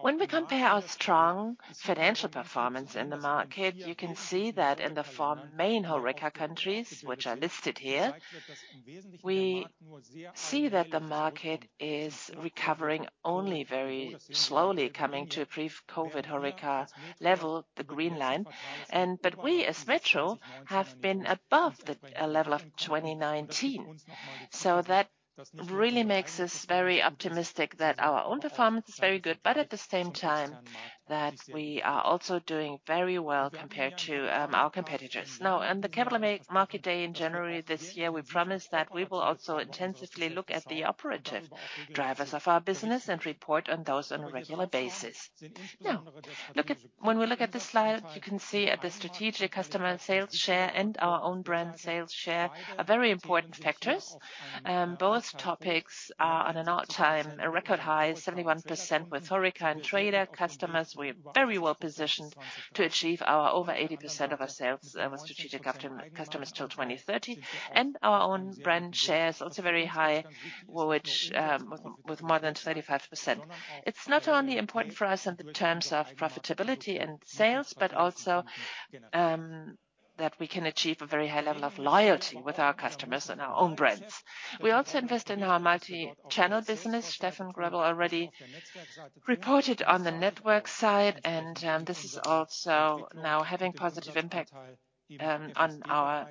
When we compare our strong financial performance in the market, you can see that in the four main HoReCa countries, which are listed here, we see that the market is recovering only very slowly, coming to a pre-COVID HoReCa level, the green line. We, as METRO, have been above the level of 2019. That really makes us very optimistic that our own performance is very good, but at the same time that we are also doing very well compared to our competitors. On the Capital Markets Day in January this year, we promised that we will also intensively look at the operative drivers of our business and report on those on a regular basis. When we look at this slide, you can see that the strategic customer sales share and our own brand sales share are very important factors. Both topics are on an all-time record high, 71% with HoReCa and trader customers. We're very well positioned to achieve our over 80% of our sales with strategic customers till 2030. Our own brand share is also very high, with more than 35%. It's not only important for us in terms of profitability and sales, but also that we can achieve a very high level of loyalty with our customers and our own brands. We also invest in our multi-channel business. Steffen Greubel already reported on the network side. This is also now having positive impact on our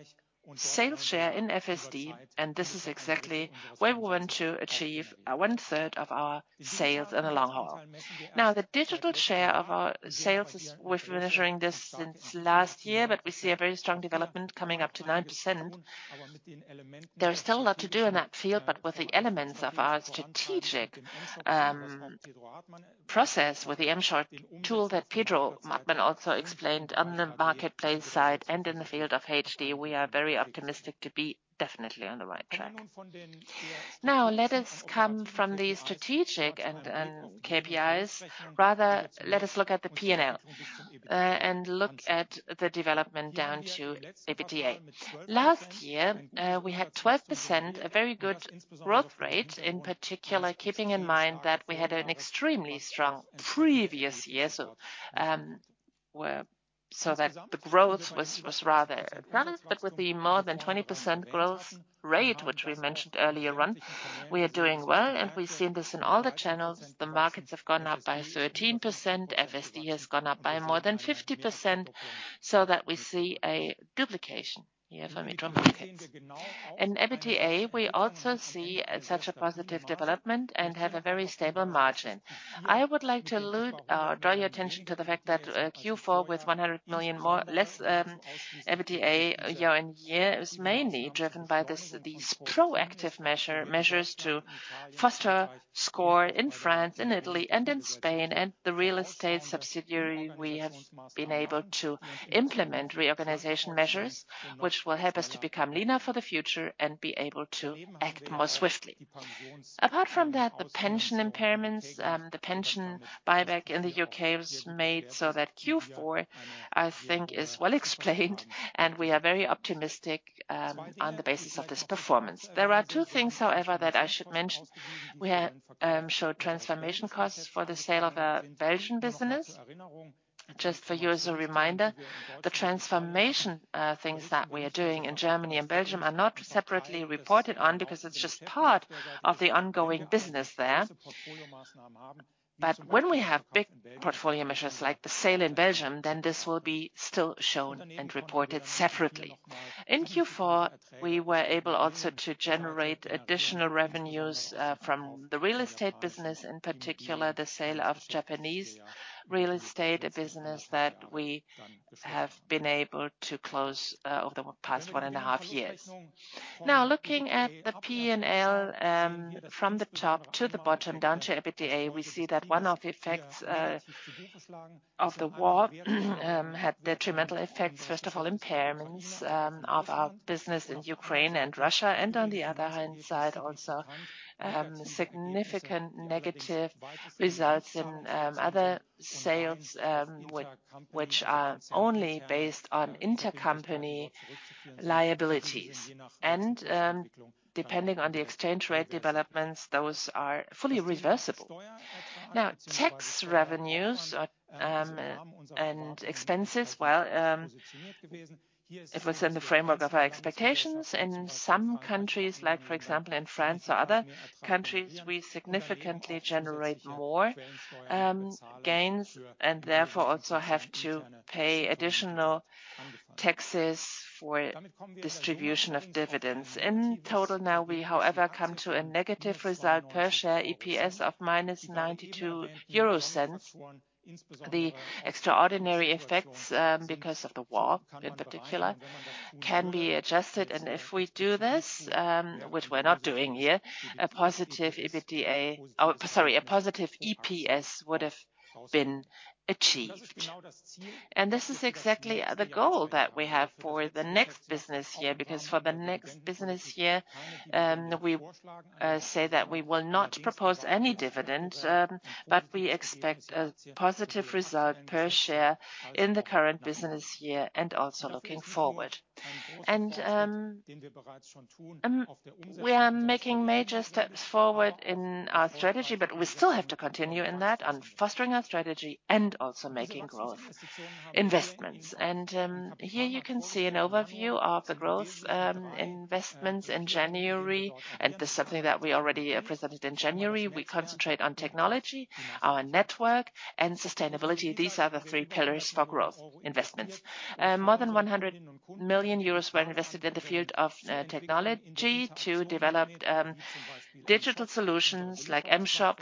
sales share in FSD. This is exactly where we want to achieve 1/3 of our sales in the long haul. The digital share of our sales We've been measuring this since last year, but we see a very strong development coming up to 9%. There is still a lot to do in that field, but with the elements of our strategic process with the M-short tool that Pedro Hartmann also explained on the marketplace side and in the field of HD, we are very optimistic to be definitely on the right track. Let us come from the strategic and KPIs. Rather, let us look at the P&L and look at the development down to EBITDA. Last year, we had 12%, a very good growth rate, in particular, keeping in mind that we had an extremely strong previous year. That the growth was rather none. With the more than 20% growth rate, which we mentioned earlier on, we are doing well, and we've seen this in all the channels. The markets have gone up by 13%. FSD has gone up by more than 50%, so that we see a duplication here for METRO MARKETS. In EBITDA, we also see such a positive development and have a very stable margin. I would like to allude or draw your attention to the fact that Q4 with 100 million less EBITDA year-on-year is mainly driven by these proactive measures to foster sCore in France, in Italy and in Spain. The real estate subsidiary, we have been able to implement reorganization measures which will help us to become leaner for the future and be able to act more swiftly. Apart from that, the pension impairments, the pension buyback in the UK was made so that Q4, I think, is well explained, and we are very optimistic on the basis of this performance. There are two things, however, that I should mention. We have showed transformation costs for the sale of our Belgian business. Just for you as a reminder, the transformation things that we are doing in Germany and Belgium are not separately reported on because it's just part of the ongoing business there. When we have big portfolio measures like the sale in Belgium, then this will be still shown and reported separately. In Q4, we were able also to generate additional revenues from the real estate business, in particular the sale of Japanese real estate, a business that we have been able to close over the past one and a half years. Now, looking at the P&L from the top to the bottom down to EBITDA, we see that one of the effects of the war had detrimental effects, first of all, impairments of our business in Ukraine and Russia and, on the other hand side also significant negative results in other sales which are only based on intercompany liabilities. Depending on the exchange rate developments, those are fully reversible. Now, tax revenues are and expenses, well, it was in the framework of our expectations. In some countries like, for example, in France or other countries, we significantly generate more gains and therefore also have to pay additional taxes for distribution of dividends. In total now we, however, come to a negative result per share EPS of -0.92. The extraordinary effects because of the war in particular can be adjusted, if we do this, which we're not doing here, a positive EPS would have been achieved. This is exactly the goal that we have for the next business year, because for the next business year, we say that we will not propose any dividend. We expect a positive result per share in the current business year and also looking forward. We are making major steps forward in our strategy, but we still have to continue in that, on fostering our strategy and also making growth investments. Here you can see an overview of the growth investments in January, and this is something that we already presented in January. We concentrate on technology, our network, and sustainability. These are the three pillars for growth investments. More than 100 million euros were invested in the field of technology to develop digital solutions like M.Shop,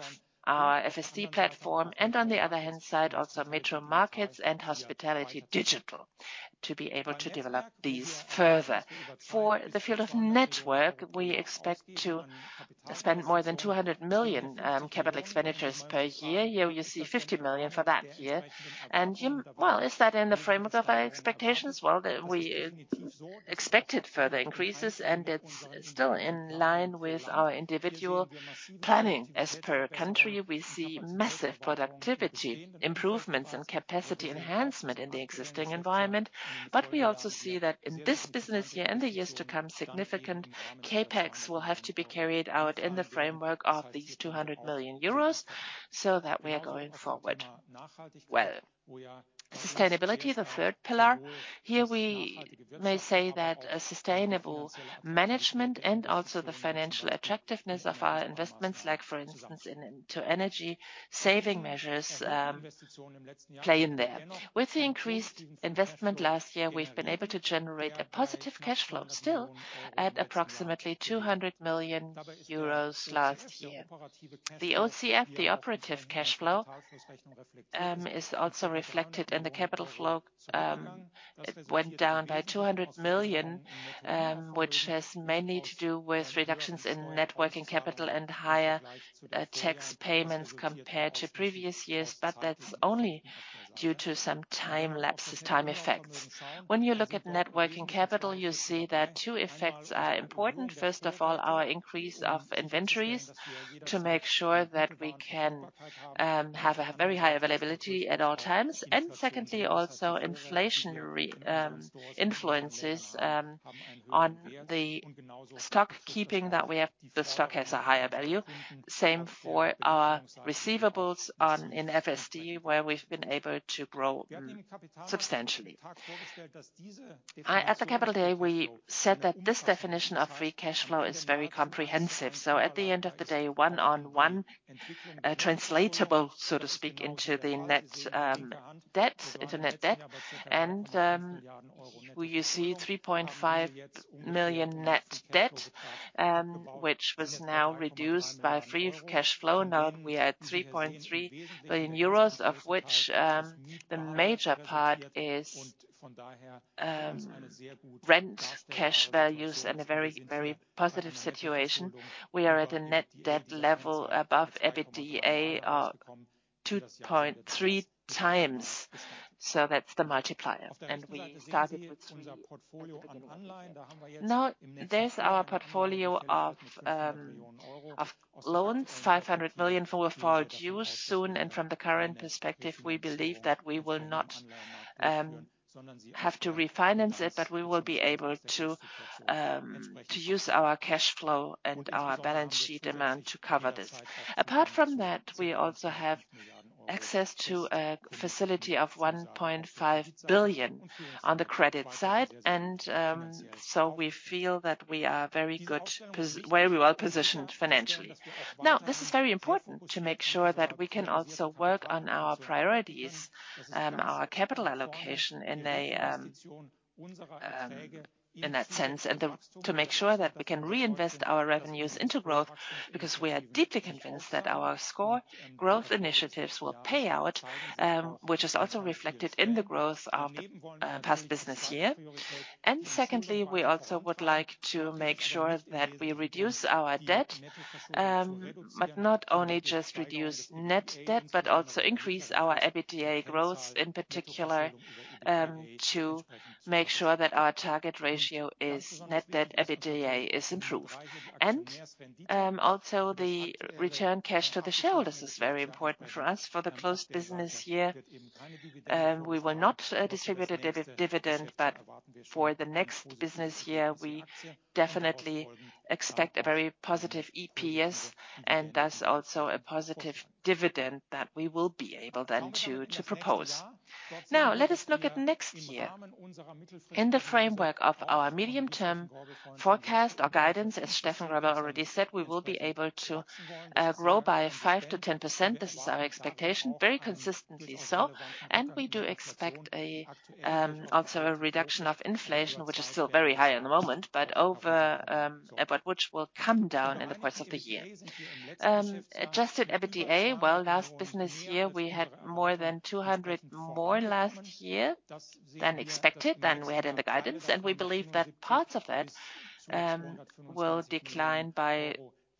our FSD platform, and on the other hand side, also METRO MARKETS and Hospitality Digital, to be able to develop these further. For the field of network, we expect to spend more than 200 million capital expenditures per year. Here you see 50 million for that year. Well, is that in the framework of our expectations? Well, we expected further increases, and it's still in line with our individual planning. As per country, we see massive productivity improvements and capacity enhancement in the existing environment. We also see that in this business year and the years to come, significant CapEx will have to be carried out in the framework of these 200 million euros so that we are going forward. Well, sustainability, the third pillar. Here we may say that a sustainable management and also the financial attractiveness of our investments, like for instance in energy saving measures, play in there. With the increased investment last year, we've been able to generate a positive cash flow still at approximately 200 million euros last year. The OCF, the operative cash flow, is also reflected in the capital flow. It went down by 200 million, which has mainly to do with reductions in net working capital and higher tax payments compared to previous years. That's only due to some time lapses, time effects. When you look at net working capital, you see that two effects are important. First of all, our increase of inventories to make sure that we can have a very high availability at all times, and secondly, also inflationary influences on the stock keeping that we have. The stock has a higher value. Same for our receivables in FSD, where we've been able to grow substantially. At the Capital Day, we said that this definition of free cash flow is very comprehensive. At the end of the day, one-on-one, translatable, so to speak, into the net debts, into net debt. You see 3.5 million net debt, which was now reduced by free cash flow. Now we are at 3.3 billion euros, of which the major part is rent cash values and a very, very positive situation. We are at a net debt level above EBITDA of 2.3x. That's the multiplier. We target between... Now, there's our portfolio of loans, 500 million will fall due soon. From the current perspective, we believe that we will not have to refinance it, but we will be able to use our cash flow and our balance sheet demand to cover this. Apart from that, we also have access to a facility of 1.5 billion on the credit side. We feel that we are very well-positioned financially. Now, this is very important to make sure that we can also work on our priorities, our capital allocation in that sense and to make sure that we can reinvest our revenues into growth, because we are deeply convinced that our sCore growth initiatives will pay out, which is also reflected in the growth of past business year. Secondly, we also would like to make sure that we reduce our debt, but not only just reduce net debt, but also increase our EBITDA growth, in particular, to make sure that our target ratio is net debt, EBITDA is improved. Also the return cash to the shareholders is very important for us. For the closed business year, we will not distribute a dividend, but for the next business year, we definitely expect a very positive EPS, and thus also a positive dividend that we will be able then to propose. Let us look at next year. In the framework of our medium-term forecast or guidance, as Steffen Greubel already said, we will be able to grow by 5%-10%. This is our expectation, very consistently so. We do expect also a reduction of inflation, which is still very high at the moment, but which will come down in the course of the year. Adjusted EBITDA, well, last business year we had more than 200 more last year than expected, than we had in the guidance, and we believe that parts of it will decline by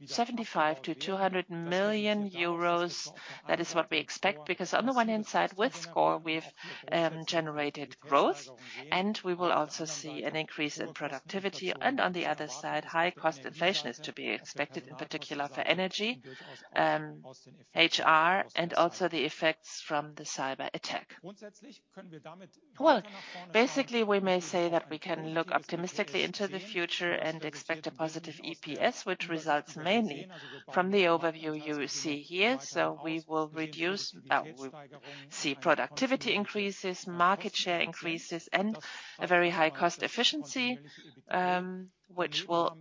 75 million-200 million euros. That is what we expect, because on the one hand side, with sCore, we've generated growth, and we will also see an increase in productivity. On the other side, high cost inflation is to be expected, in particular for energy, HR, and also the effects from the cyberattack. Basically, we may say that we can look optimistically into the future and expect a positive EPS which results mainly from the overview you see here. We will reduce. We see productivity increases, market share increases, and a very high cost efficiency, which will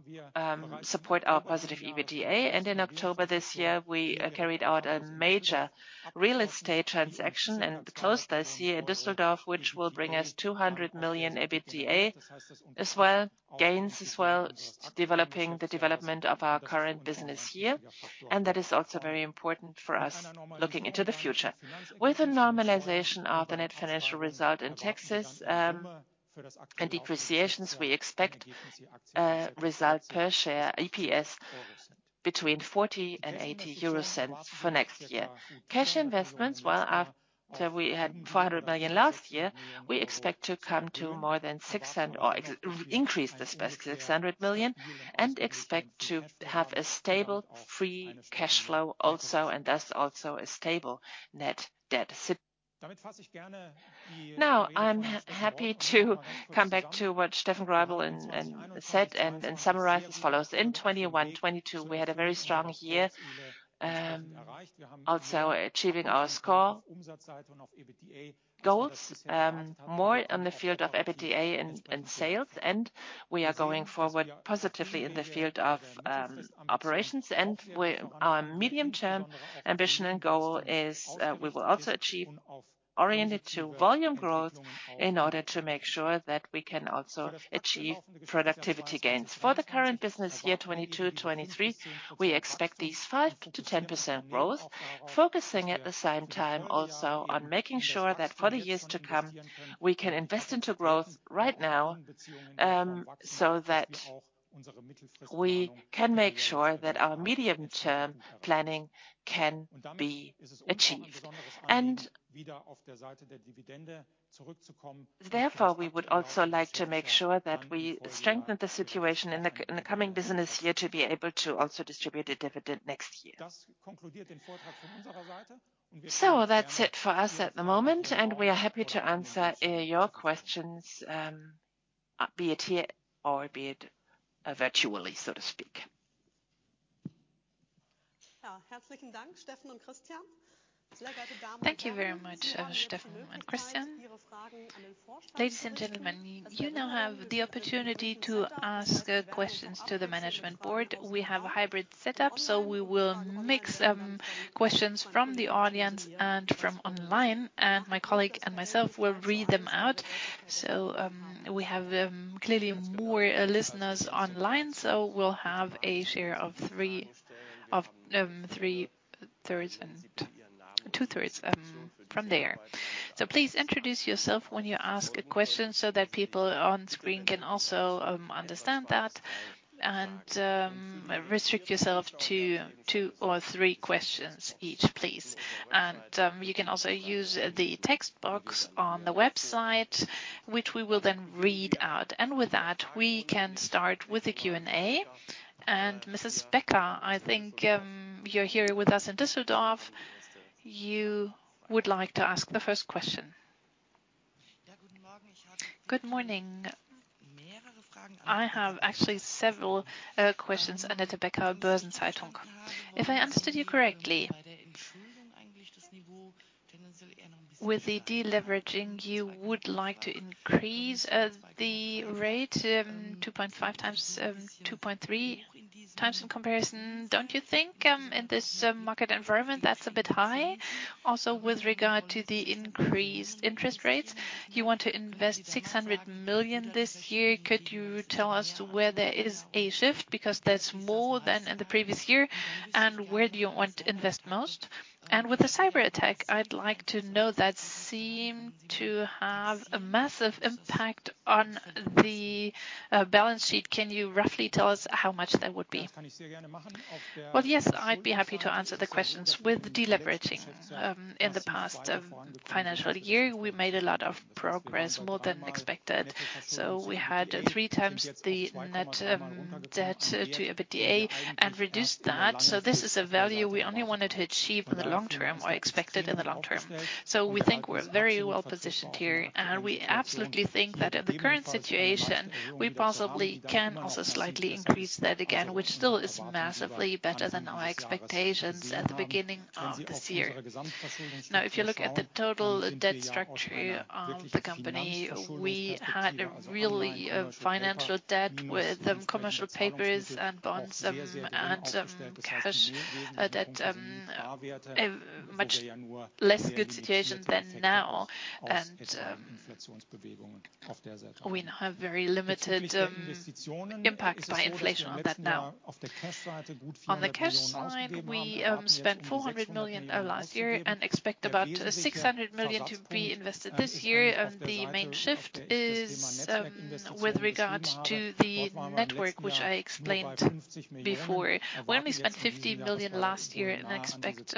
support our positive EBITDA. In October this year, we carried out a major real estate transaction and closed this year in Düsseldorf, which will bring us 200 million EBITDA as well, gains as well, developing the development of our current business year, and that is also very important for us looking into the future. With a normalization of the net financial result in taxes, and depreciations, we expect result per share, EPS, between 0.40 and 0.80 for next year. Cash investments, well, after we had 500 million last year, we expect to come to more than increase this by 600 million and expect to have a stable free cash flow also, and thus also a stable net debt. Now, I'm happy to come back to what Steffen Greubel said and summarize as follows: In 2021, 2022 we had a very strong year, also achieving our sCore goals, more in the field of EBITDA and sales, and we are going forward positively in the field of operations. Our medium-term ambition and goal is, we will also achieve oriented to volume growth in order to make sure that we can also achieve productivity gains. For the current business year, 2022, 2023, we expect these 5%-10% growth, focusing at the same time also on making sure that for the years to come, we can invest into growth right now, so that we can make sure that our medium-term planning can be achieved. Therefore, we would also like to make sure that we strengthen the situation in the coming business year to be able to also distribute a dividend next year. That's it for us at the moment, we are happy to answer your questions, be it here or be it virtually, so to speak. Thank you very much, Steffen and Christian. Ladies and gentlemen, you now have the opportunity to ask questions to the management board. We have a hybrid setup, so we will mix questions from the audience and from online, and my colleague and myself will read them out. We have clearly more listeners online, so we'll have a share of three-thirds and two-thirds from there. Please introduce yourself when you ask a question so that people on screen can also understand that. Restrict yourself to one or three questions each, please. You can also use the text box on the website, which we will then read out. With that, we can start with the Q&A. Mrs. Becker, I think you're here with us in Düsseldorf. You would like to ask the first question. Good morning. I have actually several questions. Annette Becker, Börsen-Zeitung. If I understood you correctly, with the deleveraging, you would like to increase the rate 2.5 times 2.3 times in comparison. Don't you think in this market environment that's a bit high? Also, with regard to the increased interest rates, you want to invest 600 million this year. Could you tell us where there is a shift, because that's more than in the previous year, and where do you want to invest most? And with the cyberattack, I'd like to know that seemed to have a massive impact on the balance sheet. Can you roughly tell us how much that would be? Well, yes, I'd be happy to answer the questions. With deleveraging, in the past financial year, we made a lot of progress, more than expected. We had 3x the net debt to EBITDA and reduced that. This is a value we only wanted to achieve in the long term or expected in the long term. We think we're very well-positioned here, and we absolutely think that in the current situation we possibly can also slightly increase that again, which still is massively better than our expectations at the beginning of this year. If you look at the total debt structure of the company, we had a really financial debt with commercial papers and bonds, and cash, that a much less good situation than now. We now have very limited impact by inflation on that now. On the cash side, we spent 400 million last year and expect about 600 million to be invested this year. The main shift is with regard to the network, which I explained before, where we spent 50 million last year and expect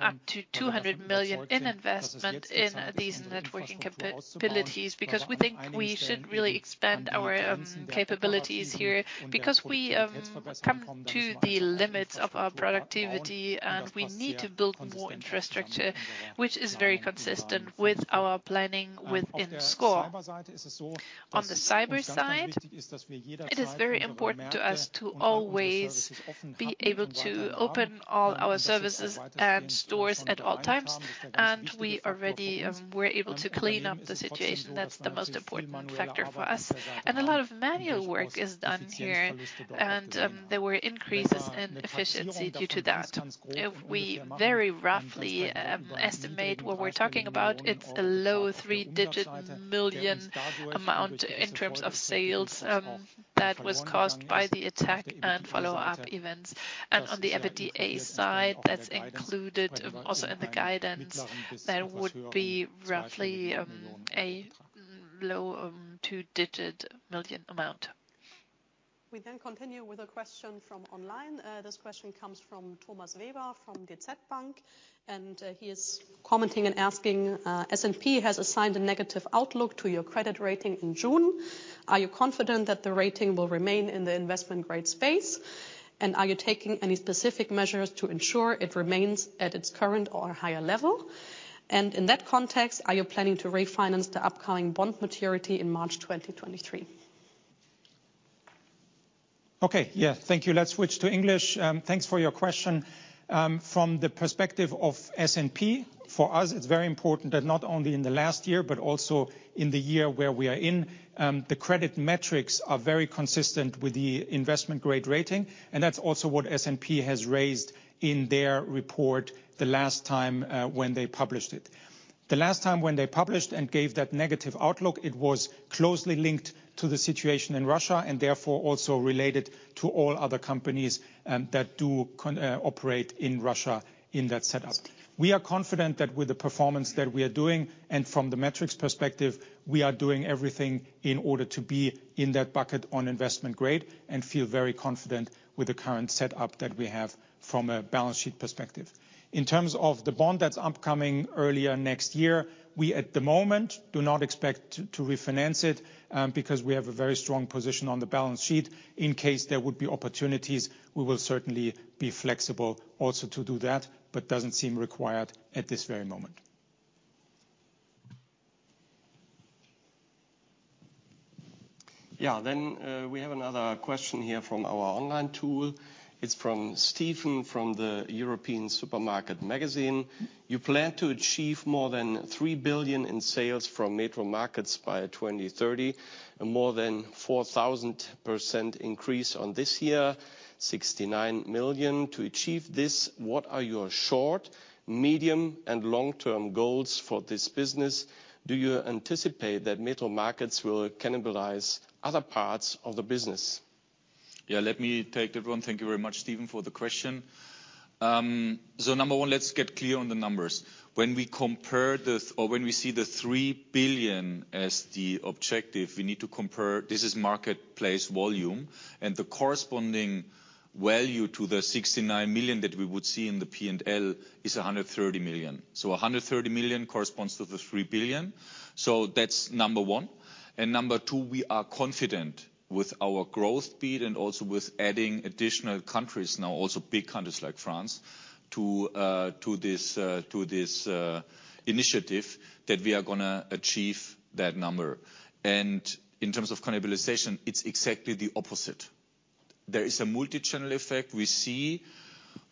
up to 200 million in investment in these networking capabilities. Because we think we should really expand our capabilities here because we come to the limits of our productivity, and we need to build more infrastructure, which is very consistent with our planning within sCore. On the cyber side, it is very important to us to always be able to open all our services and stores at all times, and we already were able to clean up the situation. That's the most important factor for us. A lot of manual work is done here and there were increases in efficiency due to that. We very roughly estimate what we're talking about. It's a low three-digit million EUR amount in terms of sales that was caused by the attack and follow-up events. On the EBITDA side, that's included also in the guidance. That would be roughly a low two-digit million EUR amount. We continue with a question from online. This question comes from Thomas Weber from DZ Bank, and he is commenting and asking, "S&P has assigned a negative outlook to your credit rating in June. Are you confident that the rating will remain in the investment grade space, and are you taking any specific measures to ensure it remains at its current or higher level? In that context, are you planning to refinance the upcoming bond maturity in March 2023? Okay. Yeah. Thank you. Let's switch to English. Thanks for your question. From the perspective of S&P, for us it's very important that not only in the last year but also in the year where we are in, the credit metrics are very consistent with the investment grade rating, and that's also what S&P has raised in their report the last time, when they published it. The last time when they published and gave that negative outlook, it was closely linked to the situation in Russia and therefore also related to all other companies, that do operate in Russia in that setup. We are confident that with the performance that we are doing and from the metrics perspective, we are doing everything in order to be in that bucket on investment grade and feel very confident with the current setup that we have from a balance sheet perspective. In terms of the bond that's upcoming earlier next year, we at the moment do not expect to refinance it because we have a very strong position on the balance sheet. In case there would be opportunities, we will certainly be flexible also to do that, but doesn't seem required at this very moment. We have another question here from our online tool. It's from Stephen from the European Supermarket Magazine: You plan to achieve more than 3 billion in sales from METRO Markets by 2030, a more than 4,000% increase on this year, 69 million. To achieve this, what are your short, medium, and long-term goals for this business? Do you anticipate that METRO Markets will cannibalize other parts of the business? Yeah, let me take that one. Thank you very much, Steven, for the question. Number one, let's get clear on the numbers. When we see the 3 billion as the objective, we need to compare. This is marketplace volume. The corresponding value to the 69 million that we would see in the P&L is 130 million. 130 million corresponds to the 3 billion. That's number one. Number two, we are confident with our growth speed and also with adding additional countries now, also big countries like France, to this initiative that we are going to achieve that number. In terms of cannibalization, it's exactly the opposite. There is a multi-channel effect we see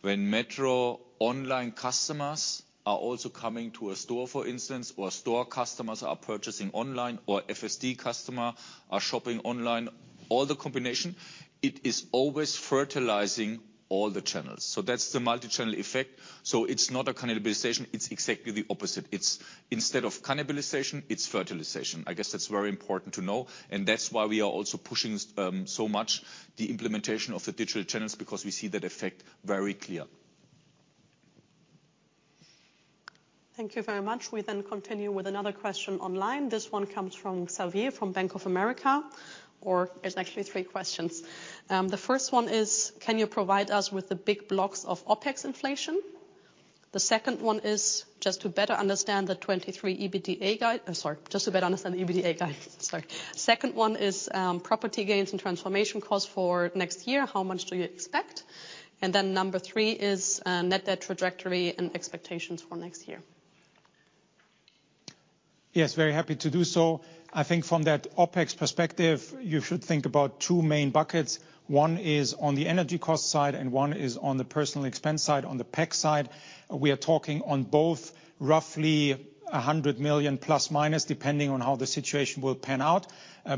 when METRO online customers are also coming to a store, for instance, or store customers are purchasing online, or FSD customer are shopping online. All the combination, it is always fertilizing all the channels. That's the multi-channel effect. It's not a cannibalization, it's exactly the opposite. It's instead of cannibalization, it's fertilization. I guess that's very important to know, and that's why we are also pushing so much the implementation of the digital channels, because we see that effect very clear. Thank you very much. We then continue with another question online. This one comes from Xavier from Bank of America, or it's actually three questions. The first one is: Can you provide us with the big blocks of OpEx inflation? The second one is just to better understand the 2023 EBITDA guide. Second one is, property gains and transformation costs for next year, how much do you expect? Number three is, net debt trajectory and expectations for next year. Yes, very happy to do so. I think from that OpEx perspective, you should think about two main buckets. One is on the energy cost side and one is on the personal expense side. On the PEC side, we are talking on both roughly 100 million plus, minus, depending on how the situation will pan out.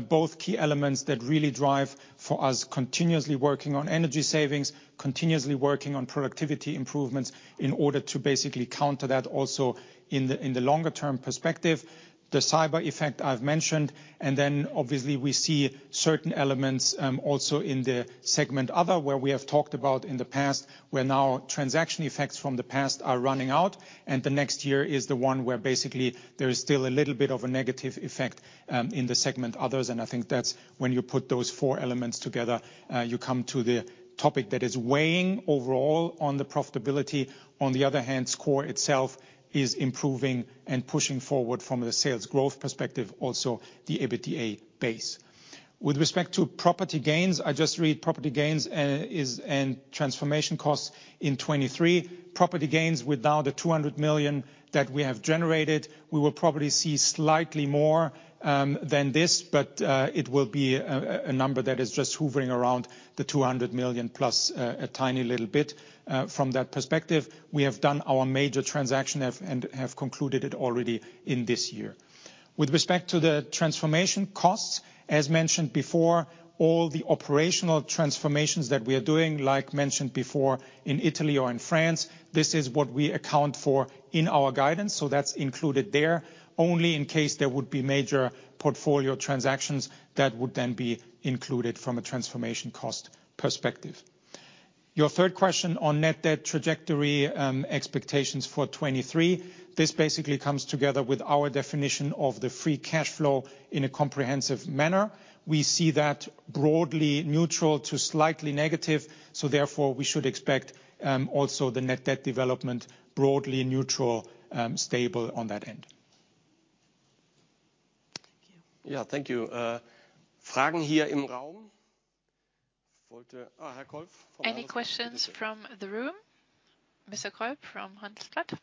Both key elements that really drive for us continuously working on energy savings, continuously working on productivity improvements in order to basically counter that also in the, in the longer term perspective. The cyber effect I've mentioned, obviously we see certain elements, also in the segment Other, where we have talked about in the past, where now transaction effects from the past are running out and the next year is the one where basically there is still a little bit of a negative effect, in the segment Others. I think that's when you put those four elements together, you come to the topic that is weighing overall on the profitability. On the other hand, sCore itself is improving and pushing forward from the sales growth perspective, also the EBITDA base. With respect to property gains, I just read property gains, is and transformation costs in 2023. Property gains with now the 200 million that we have generated, we will probably see slightly more than this, but it will be a number that is just hoovering around the 200 million plus a tiny little bit. From that perspective, we have done our major transaction and have concluded it already in this year. With respect to the transformation costs, as mentioned before, all the operational transformations that we are doing, like mentioned before in Italy or in France, this is what we account for in our guidance, so that's included there. Only in case there would be major portfolio transactions that would then be included from a transformation cost perspective. Your third question on net debt trajectory, expectations for 2023, this basically comes together with our definition of the free cash flow in a comprehensive manner. We see that broadly neutral to slightly negative, so therefore we should expect also the net debt development broadly neutral, stable on that end. Thank you. Yeah. Thank you. Any questions from the room? Mr. Kolf from Handelsblatt.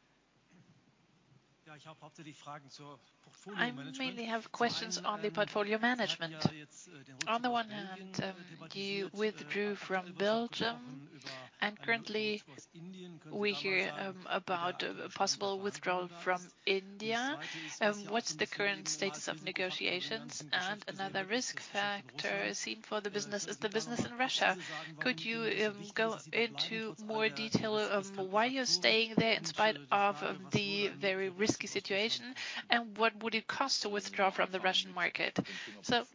I mainly have questions on the portfolio management. On the one hand, you withdrew from Belgium and currently we hear about a possible withdrawal from India. What's the current status of negotiations? Another risk factor seen for the business is the business in Russia. Could you go into more detail of why you're staying there in spite of the very risky situation, and what would it cost to withdraw from the Russian market?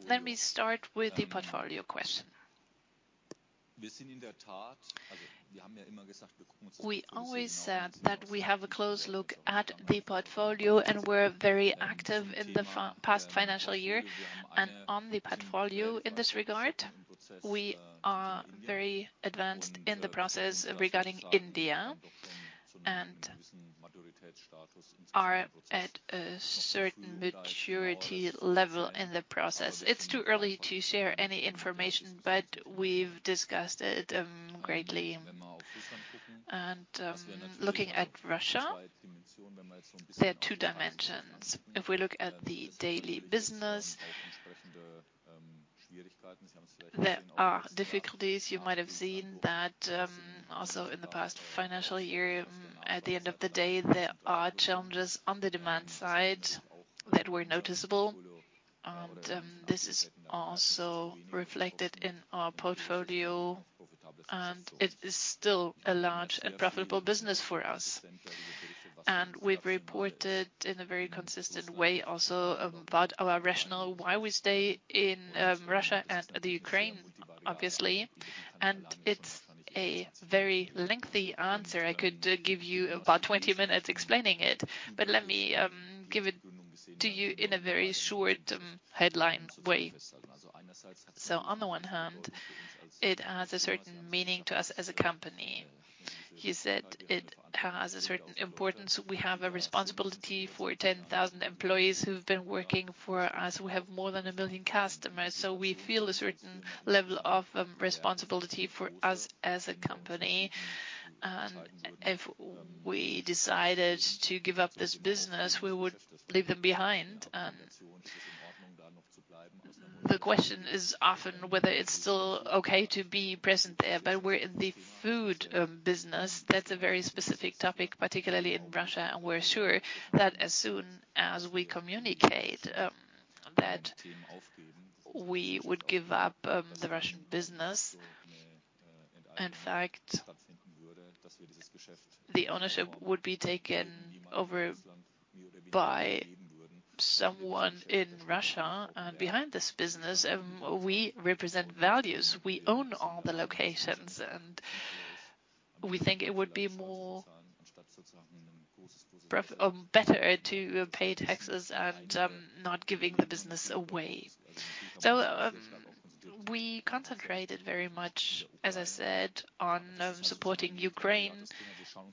Let me start with the portfolio question. We always said that we have a close look at the portfolio, and we're very active in the past financial year and on the portfolio in this regard. We are very advanced in the process regarding India and are at a certain maturity level in the process. It's too early to share any information, but we've discussed it greatly. Looking at Russia, there are two dimensions. If we look at the daily business, there are difficulties. You might have seen that also in the past financial year, at the end of the day, there are challenges on the demand side that were noticeable. This is also reflected in our portfolio, and it is still a large and profitable business for us. We've reported in a very consistent way also about our rationale why we stay in Russia and Ukraine, obviously. It's a very lengthy answer. I could give you about 20 minutes explaining it, but let me give it to you in a very short headline way. On the one hand, it has a certain meaning to us as a company. You said it has a certain importance. We have a responsibility for 10,000 employees who have been working for us. We have more than one million customers, we feel a certain level of responsibility for us as a company. If we decided to give up this business, we would leave them behind. The question is often whether it's still okay to be present there, but we're in the food business. That's a very specific topic, particularly in Russia. We're sure that as soon as we communicate that we would give up the Russian business. In fact, the ownership would be taken over by someone in Russia. Behind this business, we represent values. We own all the locations, and we think it would be more better to pay taxes and not giving the business away. We concentrated very much, as I said, on supporting Ukraine,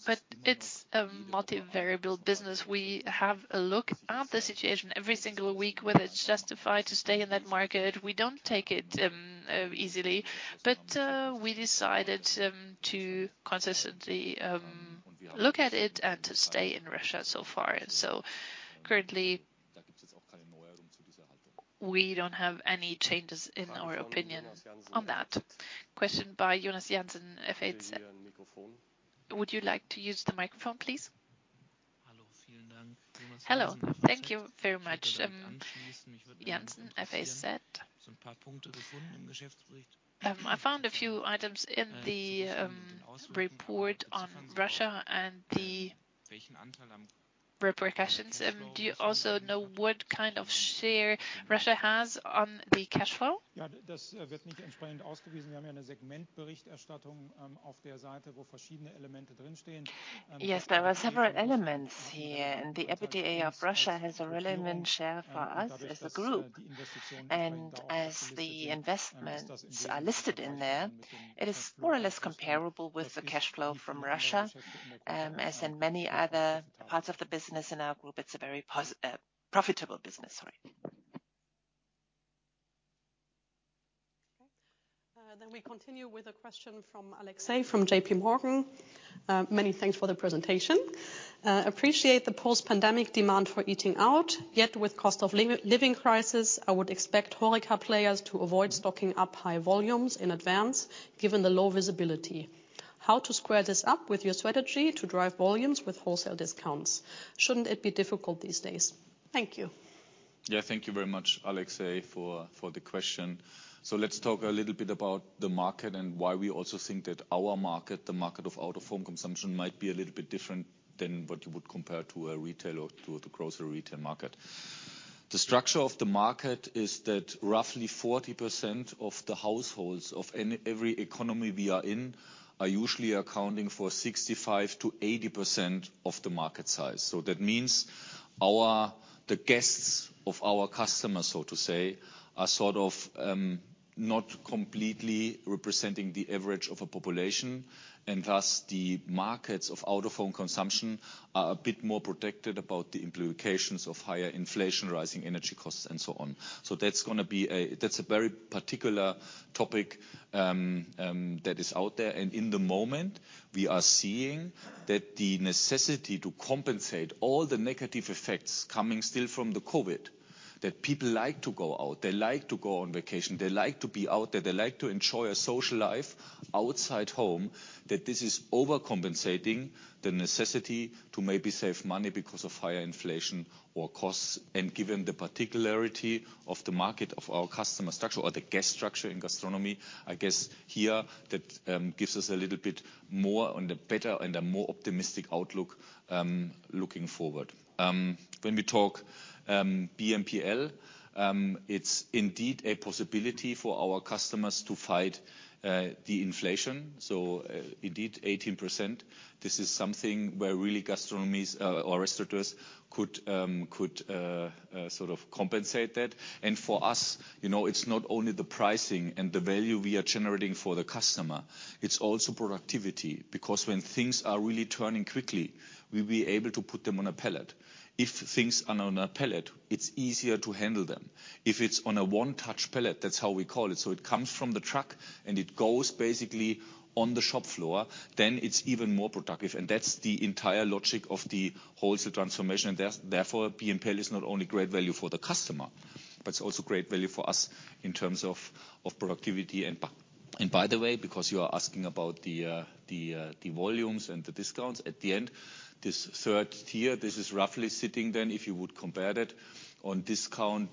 but it's a multi-variable business. We have a look at the situation every single week, whether it's justified to stay in that market. We don't take it easily, but we decided to consistently look at it and to stay in Russia so far. Currently, we don't have any changes in our opinion on that. Question by Jonas Jansen, FAZ. Would you like to use the microphone, please? Hello. Thank you very much, Jansen, FAZ. I found a few items in the report on Russia and the repercussions. Do you also know what kind of share Russia has on the cash flow? Yes, there are several elements here. The EBITDA of Russia has a relevant share for us as a group. As the investments are listed in there, it is more or less comparable with the cash flow from Russia, as in many other parts of the business in our group, it's a very profitable business. Sorry. Okay. We continue with a question from Alexei from JPMorgan. Many thanks for the presentation. Appreciate the post-pandemic demand for eating out. With cost of living crisis, I would expect HoReCa players to avoid stocking up high volumes in advance given the low visibility. How to square this up with your strategy to drive volumes with wholesale discounts? Shouldn't it be difficult these days? Thank you. Thank you very much, Alexei, for the question. Let's talk a little bit about the market and why we also think that our market, the market of out-of-home consumption, might be a little bit different than what you would compare to a retail or to a grocery retail market. The structure of the market is that roughly 40% of the households of any, every economy we are in are usually accounting for 65%-80% of the market size. That means our, the guests of our customers, so to say, are sort of, not completely representing the average of a population. Thus the markets of out-of-home consumption are a bit more protected about the implications of higher inflation, rising energy costs, and so on. That's gonna be that's a very particular topic that is out there. In the moment, we are seeing that the necessity to compensate all the negative effects coming still from the COVID, that people like to go out, they like to go on vacation, they like to be out there, they like to enjoy a social life outside home. This is overcompensating the necessity to maybe save money because of higher inflation or costs. Given the particularity of the market of our customer structure or the guest structure in gastronomy, I guess here that gives us a little bit more on the better and a more optimistic outlook looking forward. When we talk BNPL, it's indeed a possibility for our customers to fight the inflation. Indeed 18%, this is something where really gastronomies or restaurateurs could sort of compensate that. For us, you know, it's not only the pricing and the value we are generating for the customer, it's also productivity. When things are really turning quickly, we'll be able to put them on a pallet. If things are on a pallet, it's easier to handle them. If it's on a one-touch pallet, that's how we call it, so it comes from the truck, and it goes basically on the shop floor, then it's even more productive. That's the entire logic of the wholesale transformation. There's, therefore, BNPL is not only great value for the customer, but it's also great value for us in terms of productivity. By the way, because you are asking about the volumes and the discounts at the end, this third tier, this is roughly sitting then if you would compare that on discount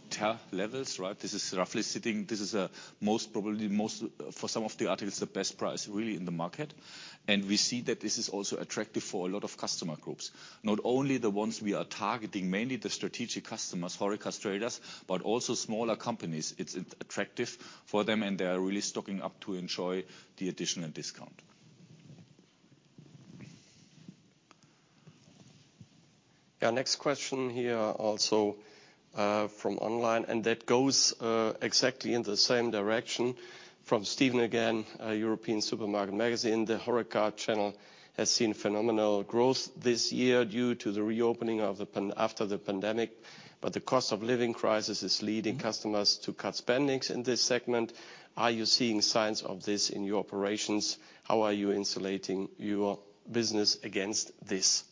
levels, right? This is roughly sitting, this is most probably most for some of the articles, the best price really in the market. We see that this is also attractive for a lot of customer groups. Not only the ones we are targeting, mainly the strategic customers, HoReCa traders, but also smaller companies. It's attractive for them, and they are really stocking up to enjoy the additional discount. Our next question here also, from online. That goes exactly in the same direction, from Stephen again, European Supermarket Magazine. The HoReCa channel has seen phenomenal growth this year due to the reopening of the after the pandemic. The cost of living crisis is leading customers to cut spendings in this segment. Are you seeing signs of this in your operations? How are you insulating your business against this?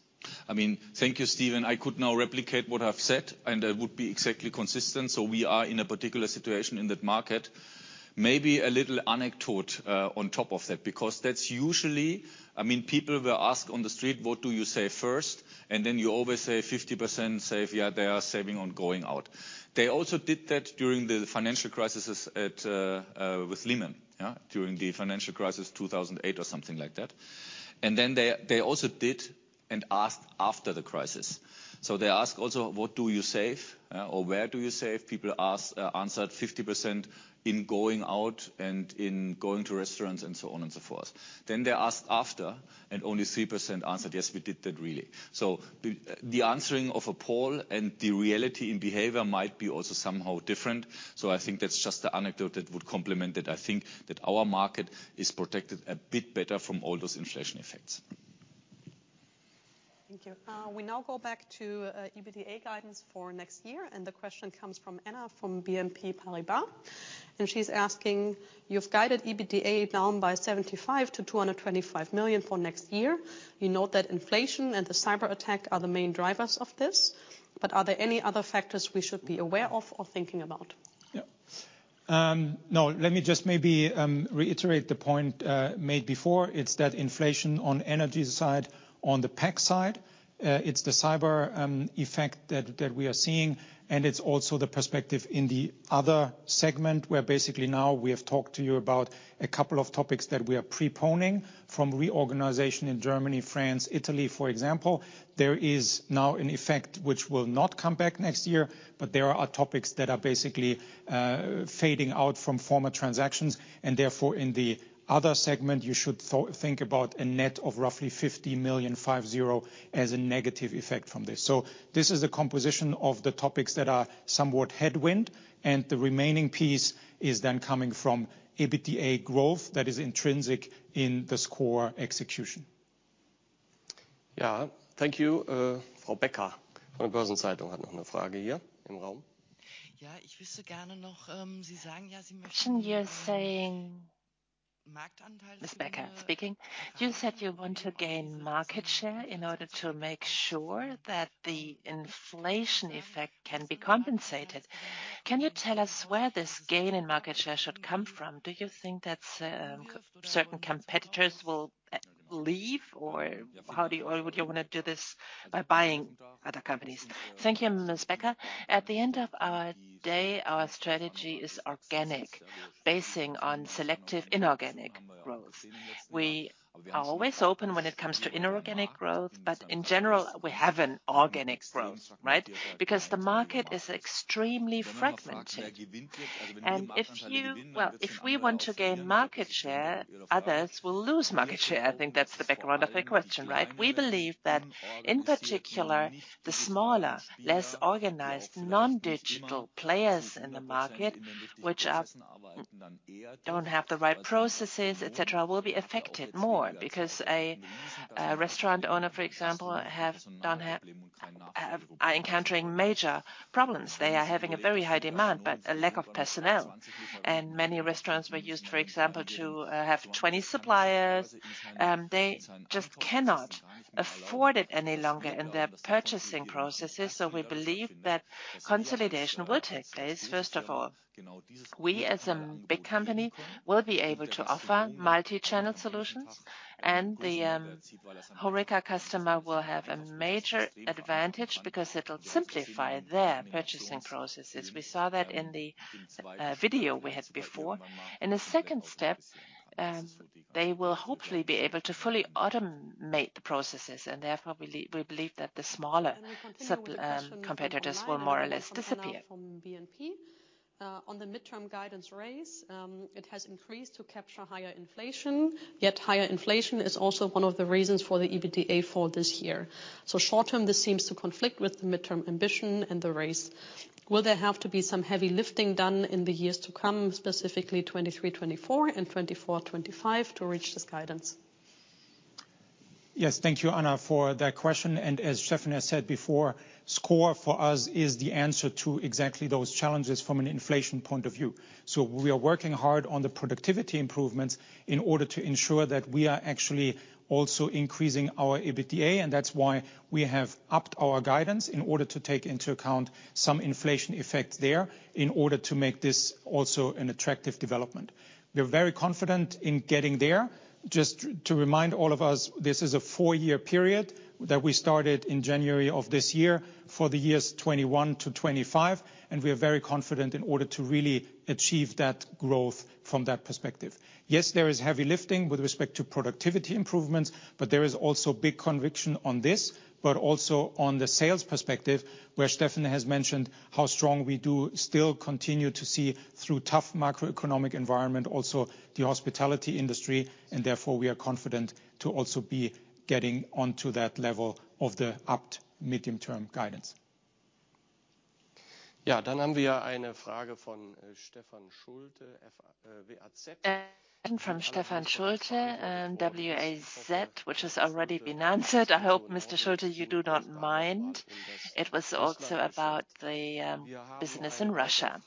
I mean, thank you, Stephen. I could now replicate what I've said, and I would be exactly consistent. We are in a particular situation in that market. Maybe a little anecdote on top of that, because that's usually... I mean, people were asked on the street, "What do you save first?" You always say 50% save, yeah, they are saving on going out. They also did that during the financial crisis at with Lehman, yeah, during the financial crisis 2008 or something like that. They also did and asked after the crisis. They ask also, what do you save? Or where do you save? People ask, answered 50% in going out and in going to restaurants, and so on and so forth. They asked after, and only 3% answered, "Yes, we did that really." The answering of a poll and the reality in behavior might be also somehow different. I think that's just the anecdote that would complement that I think that our market is protected a bit better from all those inflation effects. Thank you. We now go back to EBITDA guidance for next year. The question comes from Anna, from BNP Paribas. She's asking, you've guided EBITDA down by 75 million-225 million for next year. You note that inflation and the cyberattack are the main drivers of this. Are there any other factors we should be aware of or thinking about? No, let me just maybe reiterate the point made before. It's that inflation on energy side, on the pack side, it's the cyber effect that we are seeing, and it's also the perspective in the other segment, where basically now we have talked to you about a couple of topics that we are preponing from reorganization in Germany, France, Italy, for example. There is now an effect which will not come back next year, but there are topics that are basically fading out from former transactions. Therefore, in the other segment, you should think about a net of roughly 50 million as a negative effect from this. This is a composition of the topics that are somewhat headwind, and the remaining piece is then coming from EBITDA growth that is intrinsic in the sCore execution. Thank you, for Becker. Miss Becker speaking. You said you want to gain market share in order to make sure that the inflation effect can be compensated. Can you tell us where this gain in market share should come from? Do you think that certain competitors will leave or would you wanna do this by buying other companies? Thank you, Miss Becker. At the end of our day, our strategy is organic, basing on selective inorganic growth. We are always open when it comes to inorganic growth, but in general, we have an organic growth, right? Because the market is extremely fragmented. Well, if we want to gain market share, others will lose market share. I think that's the background of the question, right? We believe that, in particular, the smaller, less organized, non-digital players in the market, which don't have the right processes, et cetera, will be affected more. A restaurant owner, for example, are encountering major problems. They are having a very high demand, but a lack of personnel. Many restaurants were used, for example, to have 20 suppliers. They just cannot afford it any longer in their purchasing processes. We believe that consolidation will take place, first of all. We, as a big company, will be able to offer multi-channel solutions. The HoReCa customer will have a major advantage because it'll simplify their purchasing processes. We saw that in the video we had before.In the second step, they will hopefully be able to fully automate the processes and therefore we believe that the smaller competitors will more or less disappear. On the midterm guidance raise, it has increased to capture higher inflation, yet higher inflation is also one of the reasons for the EBITDA for this year. Short term, this seems to conflict with the midterm ambition and the raise. Will there have to be some heavy lifting done in the years to come, specifically 2023, 2024 and 2024, 2025 to reach this guidance? Yes. Thank you, Annette, for that question. As Steffen has said before, sCore for us is the answer to exactly those challenges from an inflation point of view. We are working hard on the productivity improvements in order to ensure that we are actually also increasing our EBITDA, That's why we have upped our guidance in order to take into account some inflation effect there in order to make this also an attractive development. We're very confident in getting there. Just to remind all of us, this is a four-year period that we started in January of this year for the years 2021 to 2025, and we are very confident in order to really achieve that growth from that perspective. Yes, there is heavy lifting with respect to productivity improvements, but there is also big conviction on this, but also on the sales perspective, where Steffen has mentioned how strong we do still continue to see through tough macroeconomic environment, also the hospitality industry, and therefore, we are confident to also be getting onto that level of the upped medium-term guidance. Ja, dann haben wir eine Frage von Stefan Schulte, WAZ. From Stefan Schulte, WAZ, which has already been answered. I hope, Mr. Schulte, you do not mind. It was also about the business in Russia.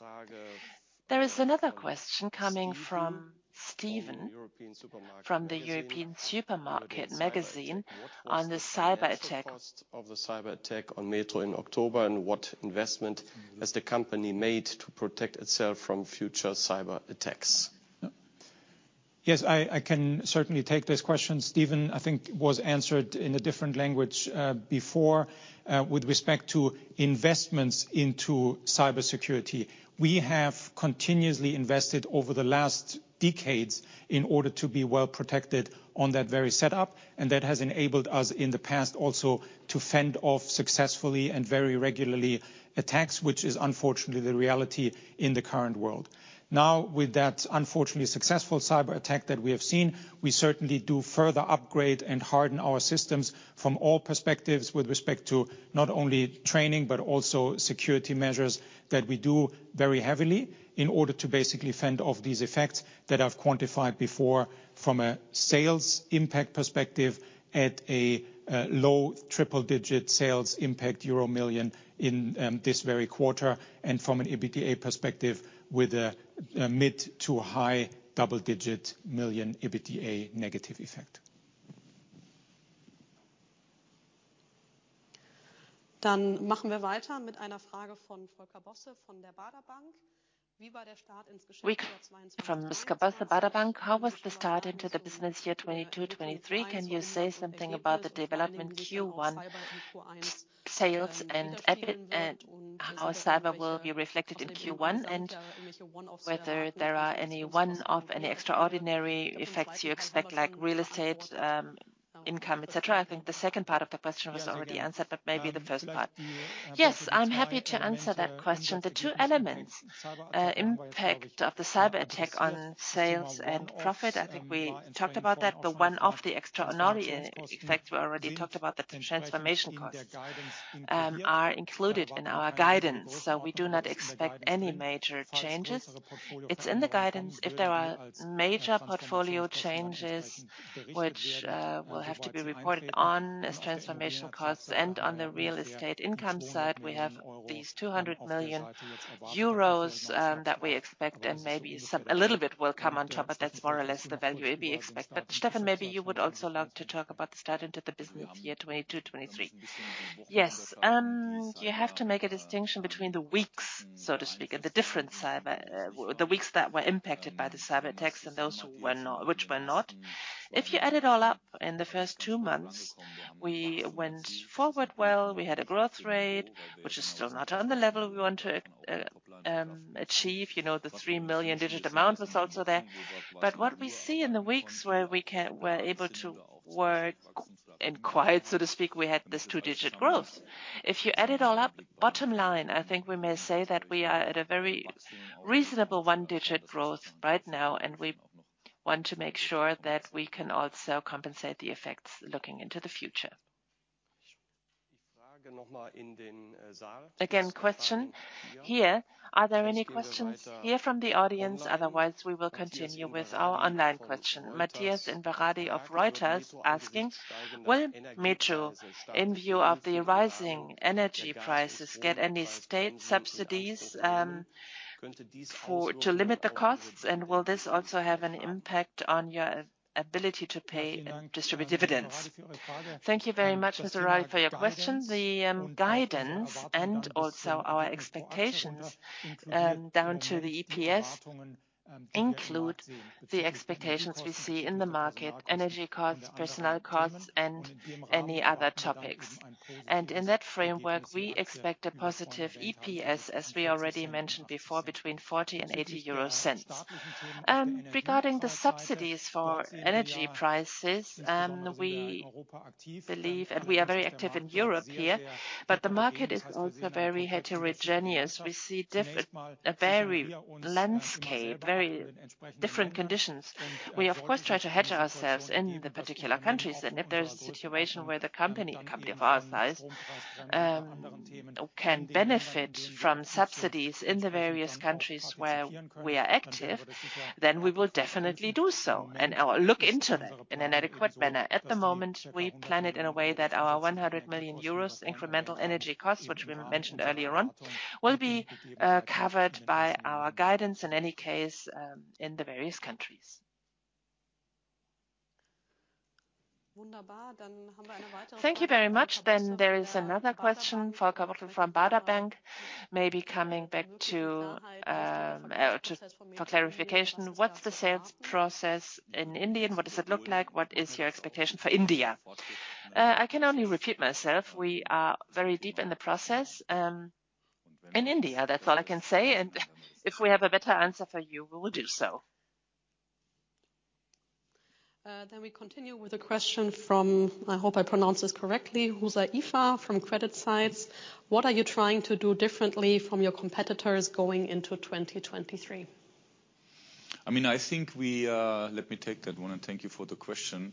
There is another question coming from Steven from the European Supermarket Magazine on the cyberattack. Of the cyberattack on METRO in October, what investment has the company made to protect itself from future cyberattacks? Yes, I can certainly take this question. Stephen, I think, was answered in a different language, before, with respect to investments into cybersecurity. We have continuously invested over the last decades in order to be well-protected on that very setup, and that has enabled us in the past also to fend off successfully and very regularly attacks, which is unfortunately the reality in the current world. With that unfortunately successful cyberattack that we have seen, we certainly do further upgrade and harden our systems from all perspectives with respect to not only training, but also security measures that we do very heavily in order to basically fend off these effects that I've quantified before from a sales impact perspective at a low triple digit sales impact euro million in this very quarter, and from an EBITDA perspective, with a mid to high double digit million EBITDA negative effect. Machen wir weiter mit einer Frage von Volker Bosse von der Baader Bank: Wie war der Start ins Geschäftsjahr 2022? From Mr. Bosse, Baader Bank. How was the start into the business year 2022/2023? Can you say something about the development Q1 sales and EBIT and how cyber will be reflected in Q1, and whether there are any one-off, any extraordinary effects you expect, like real estate income, et cetera? I think the second part of the question was already answered, maybe the first part. Yes, I'm happy to answer that question. The two elements, impact of the cyberattack on sales and profit, I think we talked about that. The one-off, the extraordinary effects, we already talked about, that the transformation costs are included in our guidance, we do not expect any major changes. It's in the guidance. If there are major portfolio changes which will have to be reported on as transformation costs and on the real estate income side, we have these 200 million euros that we expect and maybe some, a little bit will come on top, but that's more or less the value we expect. Stefan, maybe you would also like to talk about the start into the business year 2022/2023. Yes. You have to make a distinction between the weeks, so to speak, and the different cyber, the weeks that were impacted by the cyberattacks and those who were not, which were not. If you add it all up, in the first two months, we went forward well. We had a growth rate, which is still not on the level we want to achieve. You know, the three million digit amount was also there. What we see in the weeks where we were able to work in quiet, so to speak, we had this two-digit growth. If you add it all up, bottom line, I think we may say that we are at a very reasonable one-digit growth right now, and we want to make sure that we can also compensate the effects looking into the future. Again, question here. Are there any questions here from the audience? Otherwise, we will continue with our online question. Matthias Inverardi of Reuters asking, "Will METRO, in view of the rising energy prices, get any state subsidies for, to limit the costs, and will this also have an impact on your ability to pay and distribute dividends?" Thank you very much, Mr. Riley, for your question. The guidance and also our expectations down to the EPS, include the expectations we see in the market: energy costs, personnel costs, and any other topics. In that framework, we expect a positive EPS, as we already mentioned before, between 0.40 and 0.80. Regarding the subsidies for energy prices, we believe, and we are very active in Europe here, but the market is also very heterogeneous. We see a varied landscape, very different conditions. We of course try to hedge ourselves in the particular countries, and if there's a situation where the company, a company of our size, can benefit from subsidies in the various countries where we are active, then we will definitely do so and look into that in an adequate manner. At the moment, we plan it in a way that our 100 million euros incremental energy costs, which we mentioned earlier on, will be covered by our guidance in any case, in the various countries. Thank you very much. There is another question, Volker Bosse from Baader Bank. Maybe coming back to for clarification, what's the sales process in India and what does it look like? What is your expectation for India? I can only repeat myself. We are very deep in the process in India. That's all I can say, and if we have a better answer for you, we will do so. We continue with a question from, I hope I pronounce this correctly, Huzaifa from CreditSights: What are you trying to do differently from your competitors going into 2023? I mean, I think we, let me take that one, and thank you for the question.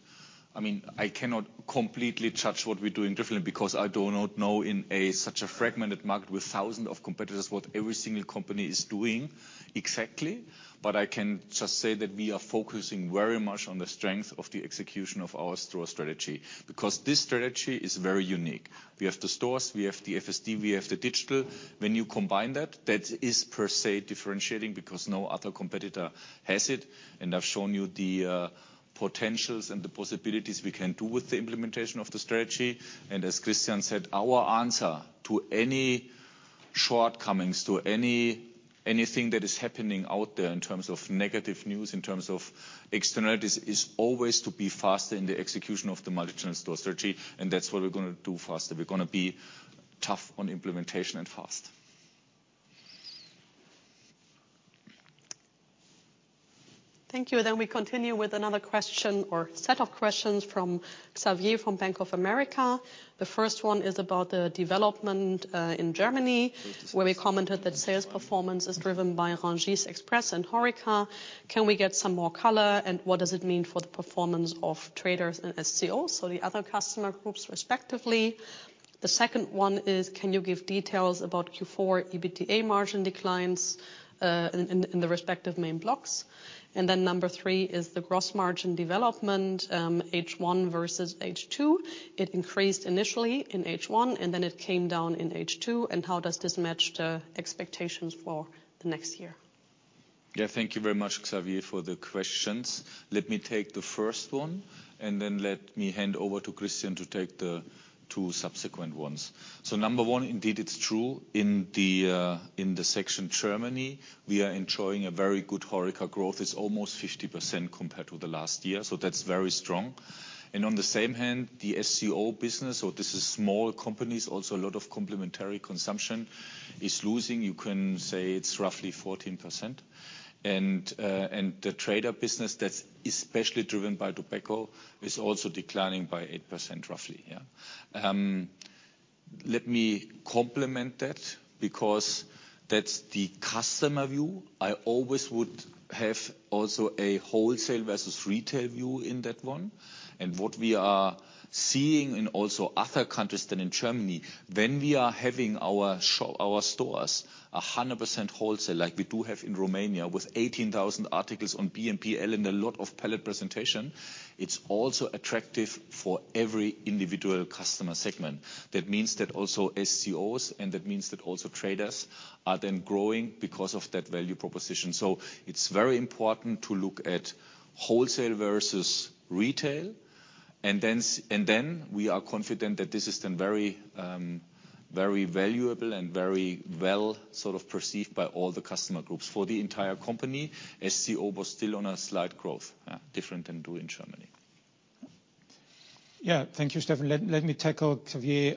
I mean, I cannot completely judge what we're doing differently because I do not know in a such a fragmented market with thousands of competitors, what every single company is doing exactly. I can just say that we are focusing very much on the strength of the execution of our store strategy, because this strategy is very unique. We have the stores, we have the FSD, we have the digital. When you combine that is per se differentiating because no other competitor has it. I've shown you the potentials and the possibilities we can do with the implementation of the strategy. As Christian said, our answer to any shortcomings, to anything that is happening out there in terms of negative news, in terms of externalities, is always to be faster in the execution of the multi-channel store strategy, and that's what we're gonna do faster. We're gonna be tough on implementation and fast. Thank you. We continue with another question or set of questions from Xavier from Bank of America. The first one is about the development in Germany, where we commented that sales performance is driven by Rungis Express and HoReCa. Can we get some more color, and what does it mean for the performance of traders and SCOs, so the other customer groups respectively? The second one is, can you give details about Q4 EBITDA margin declines in the respective main blocks? Number three is the gross margin development H1 versus H2. It increased initially in H1, and then it came down in H2. How does this match the expectations for the next year? Yeah, thank you very much, Xavier, for the questions. Let me take the first one, and then let me hand over to Christian to take the two subsequent ones. Number one, indeed, it's true. In the section Germany, we are enjoying a very good HoReCa growth. It's almost 50% compared to the last year, so that's very strong. On the same hand, the SCO business, so this is small companies, also a lot of complementary consumption, is losing. You can say it's roughly 14%. The trader business that's especially driven by tobacco is also declining by 8% roughly, yeah. Let me complement that because that's the customer view. I always would have also a wholesale versus retail view in that one. What we are seeing in also other countries than in Germany, when we are having our stores 100% wholesale, like we do have in Romania, with 18,000 articles on BNPL and a lot of pallet presentation, it's also attractive for every individual customer segment. That means that also SCOs, and that means that also traders, are then growing because of that value proposition. It's very important to look at wholesale versus retail. Then we are confident that this is then very valuable and very well sort of perceived by all the customer groups. For the entire company, SCO was still on a slight growth, different than to in Germany. Yeah. Thank you, Stefan. Let me tackle, Xavier,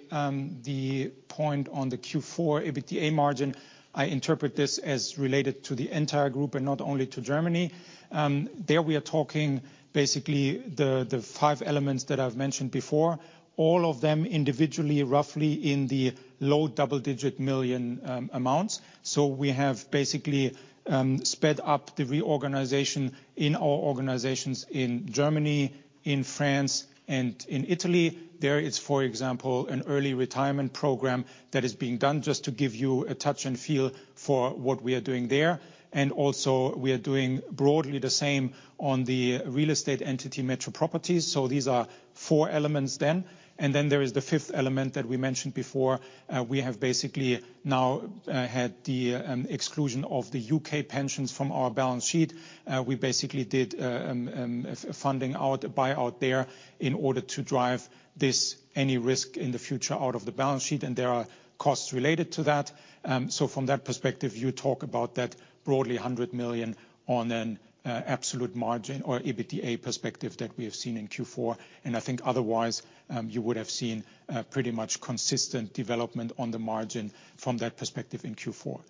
the point on the Q4 EBITDA margin. I interpret this as related to the entire group and not only to Germany. There, we are talking basically the five elements that I've mentioned before. All of them individually, roughly in the low double-digit million amounts. We have basically sped up the reorganization in our organizations in Germany, in France, and in Italy. There is, for example, an early retirement program that is being done, just to give you a touch and feel for what we are doing there. Also, we are doing broadly the same on the real estate entity METRO PROPERTIES. These are four elements then. Then there is the fifth element that we mentioned before. We have basically now had the exclusion of the UK pensions from our balance sheet. We basically did a buyout there in order to drive this, any risk in the future out of the balance sheet, and there are costs related to that. From that perspective, you talk about that broadly 100 million on an absolute margin or EBITDA perspective that we have seen in Q4. I think otherwise, you would have seen pretty much consistent development on the margin from that perspective in Q4.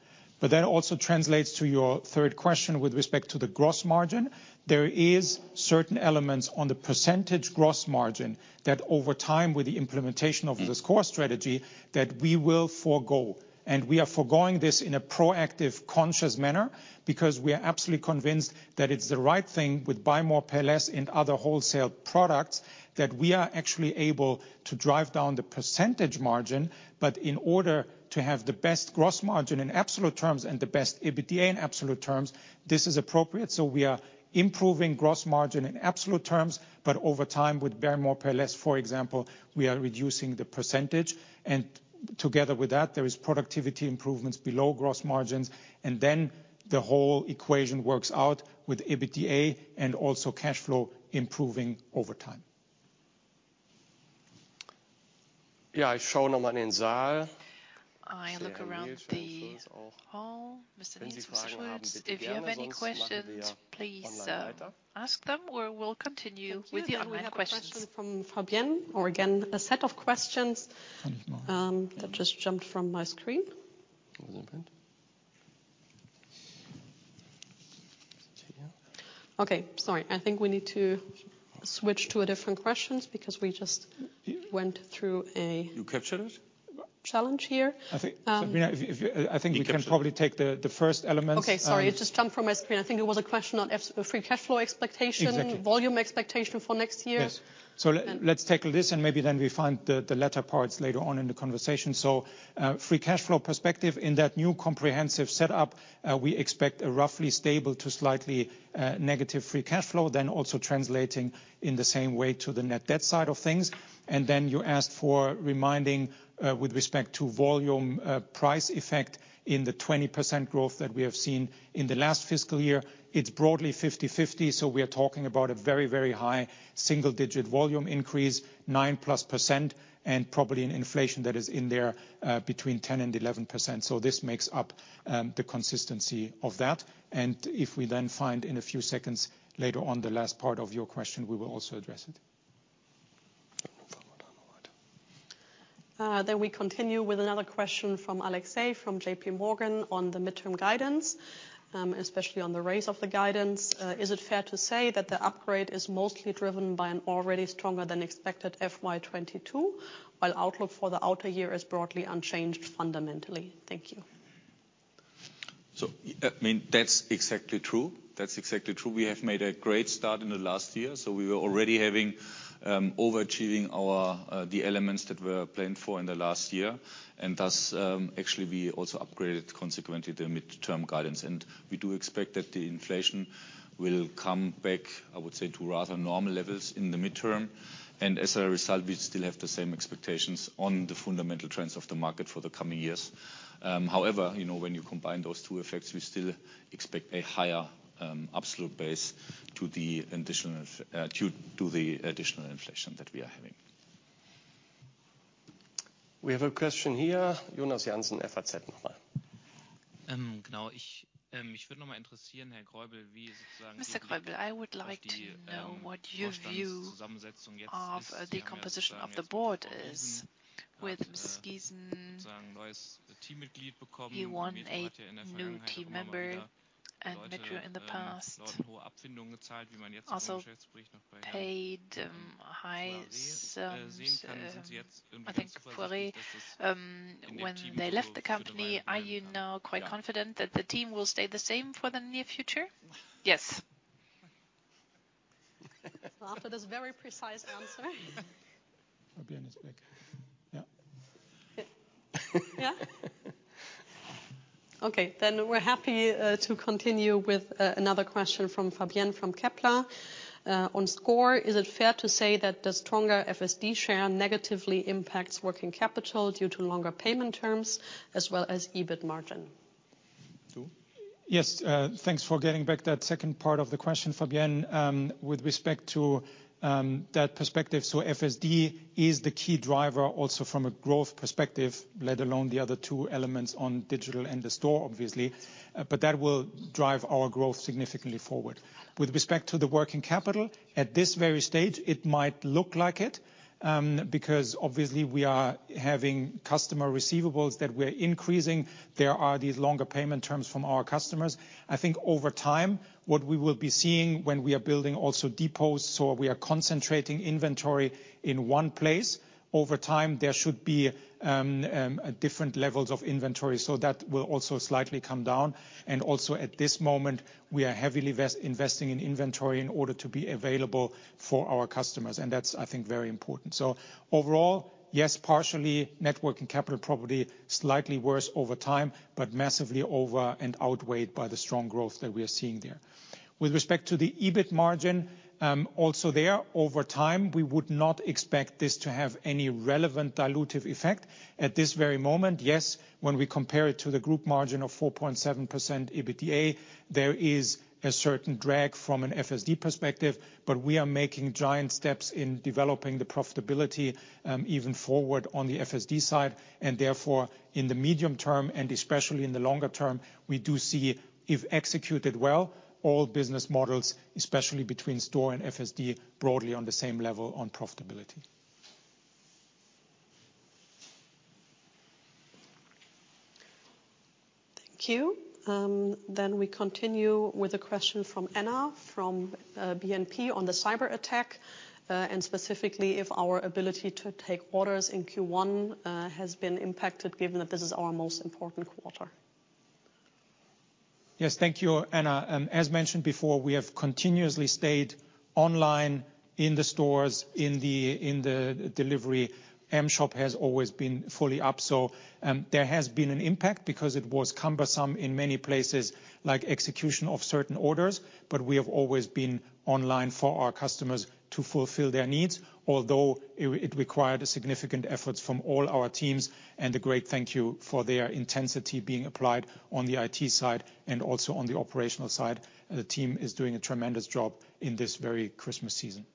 That also translates to your third question with respect to the gross margin. There is certain elements on the percentage gross margin that over time, with the implementation of this sCore strategy, that we will forgo. We are forgoing this in a proactive, conscious manner because we are absolutely convinced that it's the right thing with buy more, pay less in other wholesale products, that we are actually able to drive down the percentage margin. In order to have the best gross margin in absolute terms and the best EBITDA in absolute terms, this is appropriate. We are improving gross margin in absolute terms, but over time, with buy more, pay less, for example, we are reducing the percentage. Together with that, there is productivity improvements below gross margins. Then the whole equation works out with EBITDA and also cash flow improving over time. Yeah, I show no money in sale. I look around the hall. Mr. Niess, Mr. Schwarz, if you have any questions, please ask them or we'll continue with the online questions. Thank you. We have a question from Fabien, or again, a set of questions that just jumped from my screen. Okay. Sorry, I think we need to switch to a different questions because we just went through. You captured it? Challenge here. I think, Sabrina, if, I think we can probably take the first elements. Sorry. It just jumped from my screen. I think it was a question on free cash flow expectation. Exactly volume expectation for next year. Yes. Let's take this and maybe then we find the latter parts later on in the conversation. Free cashflow perspective in that new comprehensive setup, we expect a roughly stable to slightly negative free cashflow, then also translating in the same way to the net debt side of things. Then you asked for reminding with respect to volume, price effect in the 20% growth that we have seen in the last fiscal year. It's broadly 50/50, we are talking about a very, very high single-digit volume increase, 9+%, and probably an inflation that is in there between 10% and 11%. This makes up the consistency of that. If we then find in a few seconds later on the last part of your question, we will also address it. We continue with another question from Alexei, from JPMorgan on the midterm guidance, especially on the raise of the guidance. Is it fair to say that the upgrade is mostly driven by an already stronger than expected FY2022, while outlook for the outer year is broadly unchanged fundamentally? Thank you. I mean, that's exactly true. That's exactly true. We have made a great start in the last year, so we were already having overachieving our the elements that were planned for in the last year. Thus, actually we also upgraded consequently the midterm guidance. We do expect that the inflation will come back, I would say, to rather normal levels in the midterm. As a result, we still have the same expectations on the fundamental trends of the market for the coming years. However, you know, when you combine those two effects, we still expect a higher absolute base to the additional to the additional inflation that we are having. We have a question here, Jonas Jansen, FAZ. Um, 说话者 1, um, 说话者 2. Mr. Greubel, I would like to know what your view of the composition of the board is with Skees, you won a new team member, and METRO in the past also paid, highs, I think Pouré, when they left the company. Are you now quite confident that the team will stay the same for the near future? Yes. Well, after this very precise answer. Fabien is back. Yeah. Yeah? Okay. We're happy to continue with another question from Fabien from Kepler. On sCore, is it fair to say that the stronger FSD share negatively impacts working capital due to longer payment terms as well as EBIT margin? Yes. Thanks for getting back that second part of the question, Fabien. With respect to that perspective, FSD is the key driver also from a growth perspective, let alone the other two elements on digital and the store, obviously. That will drive our growth significantly forward. With respect to the working capital, at this very stage it might look like it, because obviously we are having customer receivables that we're increasing. There are these longer payment terms from our customers. I think over time, what we will be seeing when we are building also depots, so we are concentrating inventory in one place. Over time, there should be different levels of inventory. That will also slightly come down. Also at this moment, we are heavily investing in inventory in order to be available for our customers, and that's, I think, very important. Overall, yes, partially networking capital probably slightly worse over time, but massively over and outweighed by the strong growth that we are seeing there. With respect to the EBIT margin, also there over time, we would not expect this to have any relevant dilutive effect. At this very moment, yes, when we compare it to the group margin of 4.7% EBITDA, there is a certain drag from an FSD perspective. We are making giant steps in developing the profitability, even forward on the FSD side. Therefore in the medium term and especially in the longer term, we do see, if executed well, all business models, especially between store and FSD, broadly on the same level on profitability. Thank you. We continue with a question from Anna, from BNP on the cyberattack. Specifically if our ability to take orders in Q1 has been impacted given that this is our most important quarter. Yes. Thank you, Anna. As mentioned before, we have continuously stayed online in the stores, in the, in the delivery. M.Shop has always been fully up. There has been an impact because it was cumbersome in many places, like execution of certain orders, but we have always been online for our customers to fulfill their needs. Although it required a significant efforts from all our teams, and a great thank you for their intensity being applied on the IT side and also on the operational side. The team is doing a tremendous job in this very Christmas season.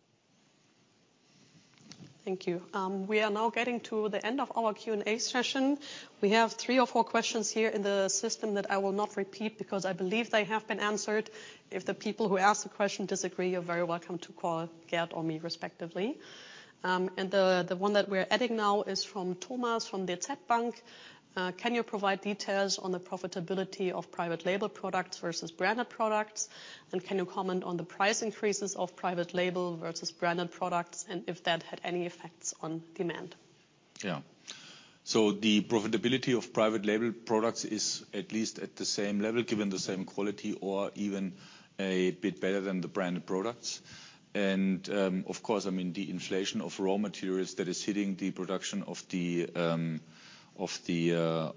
Thank you. We are now getting to the end of our Q&A session. We have three or four questions here in the system that I will not repeat because I believe they have been answered. If the people who asked the question disagree, you're very welcome to call Gert or me, respectively. The one that we're adding now is from Tomas from the SEB Bank. Can you provide details on the profitability of private label products versus branded products? Can you comment on the price increases of private label versus branded products, if that had any effects on demand? The profitability of private label products is at least at the same level, given the same quality or even a bit better than the branded products. Of course, I mean, the inflation of raw materials that is hitting the production of the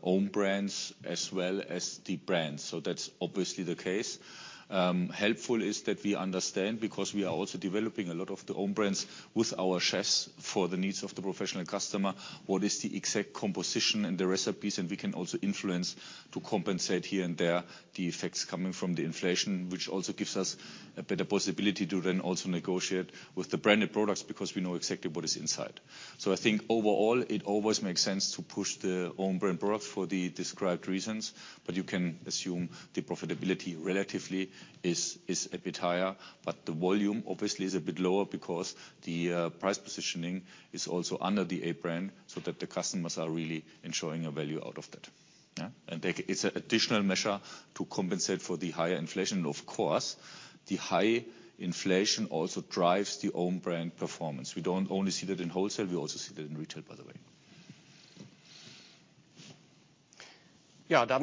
own brands as well as the brands. That's obviously the case. Helpful is that we understand because we are also developing a lot of the own brands with our chefs for the needs of the professional customer, what is the exact composition and the recipes, and we can also influence to compensate here and there the effects coming from the inflation, which also gives us a better possibility to then also negotiate with the branded products because we know exactly what is inside. I think overall, it always makes sense to push the own brand products for the described reasons, but you can assume the profitability relatively is a bit higher. The volume obviously is a bit lower because the price positioning is also under the A brand so that the customers are really ensuring a value out of that. Yeah? It's an additional measure to compensate for the higher inflation. Of course, the high inflation also drives the own brand performance. We don't only see that in wholesale, we also see that in retail, by the way. Well,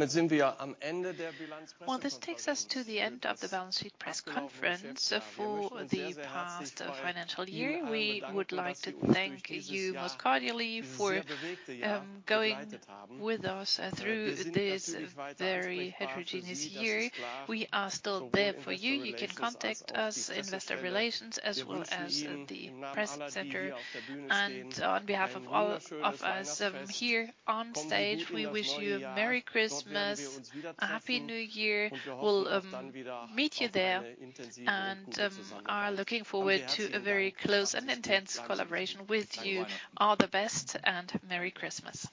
this takes us to the end of the balance sheet press conference for the past financial year. We would like to thank you most cordially for going with us through this very heterogeneous year. We are still there for you. You can contact us, Investor Relations, as well as the press center. On behalf of all of us, here on stage, we wish you a merry Christmas, a happy New Year. We'll meet you there and are looking forward to a very close and intense collaboration with you. All the best and merry Christmas.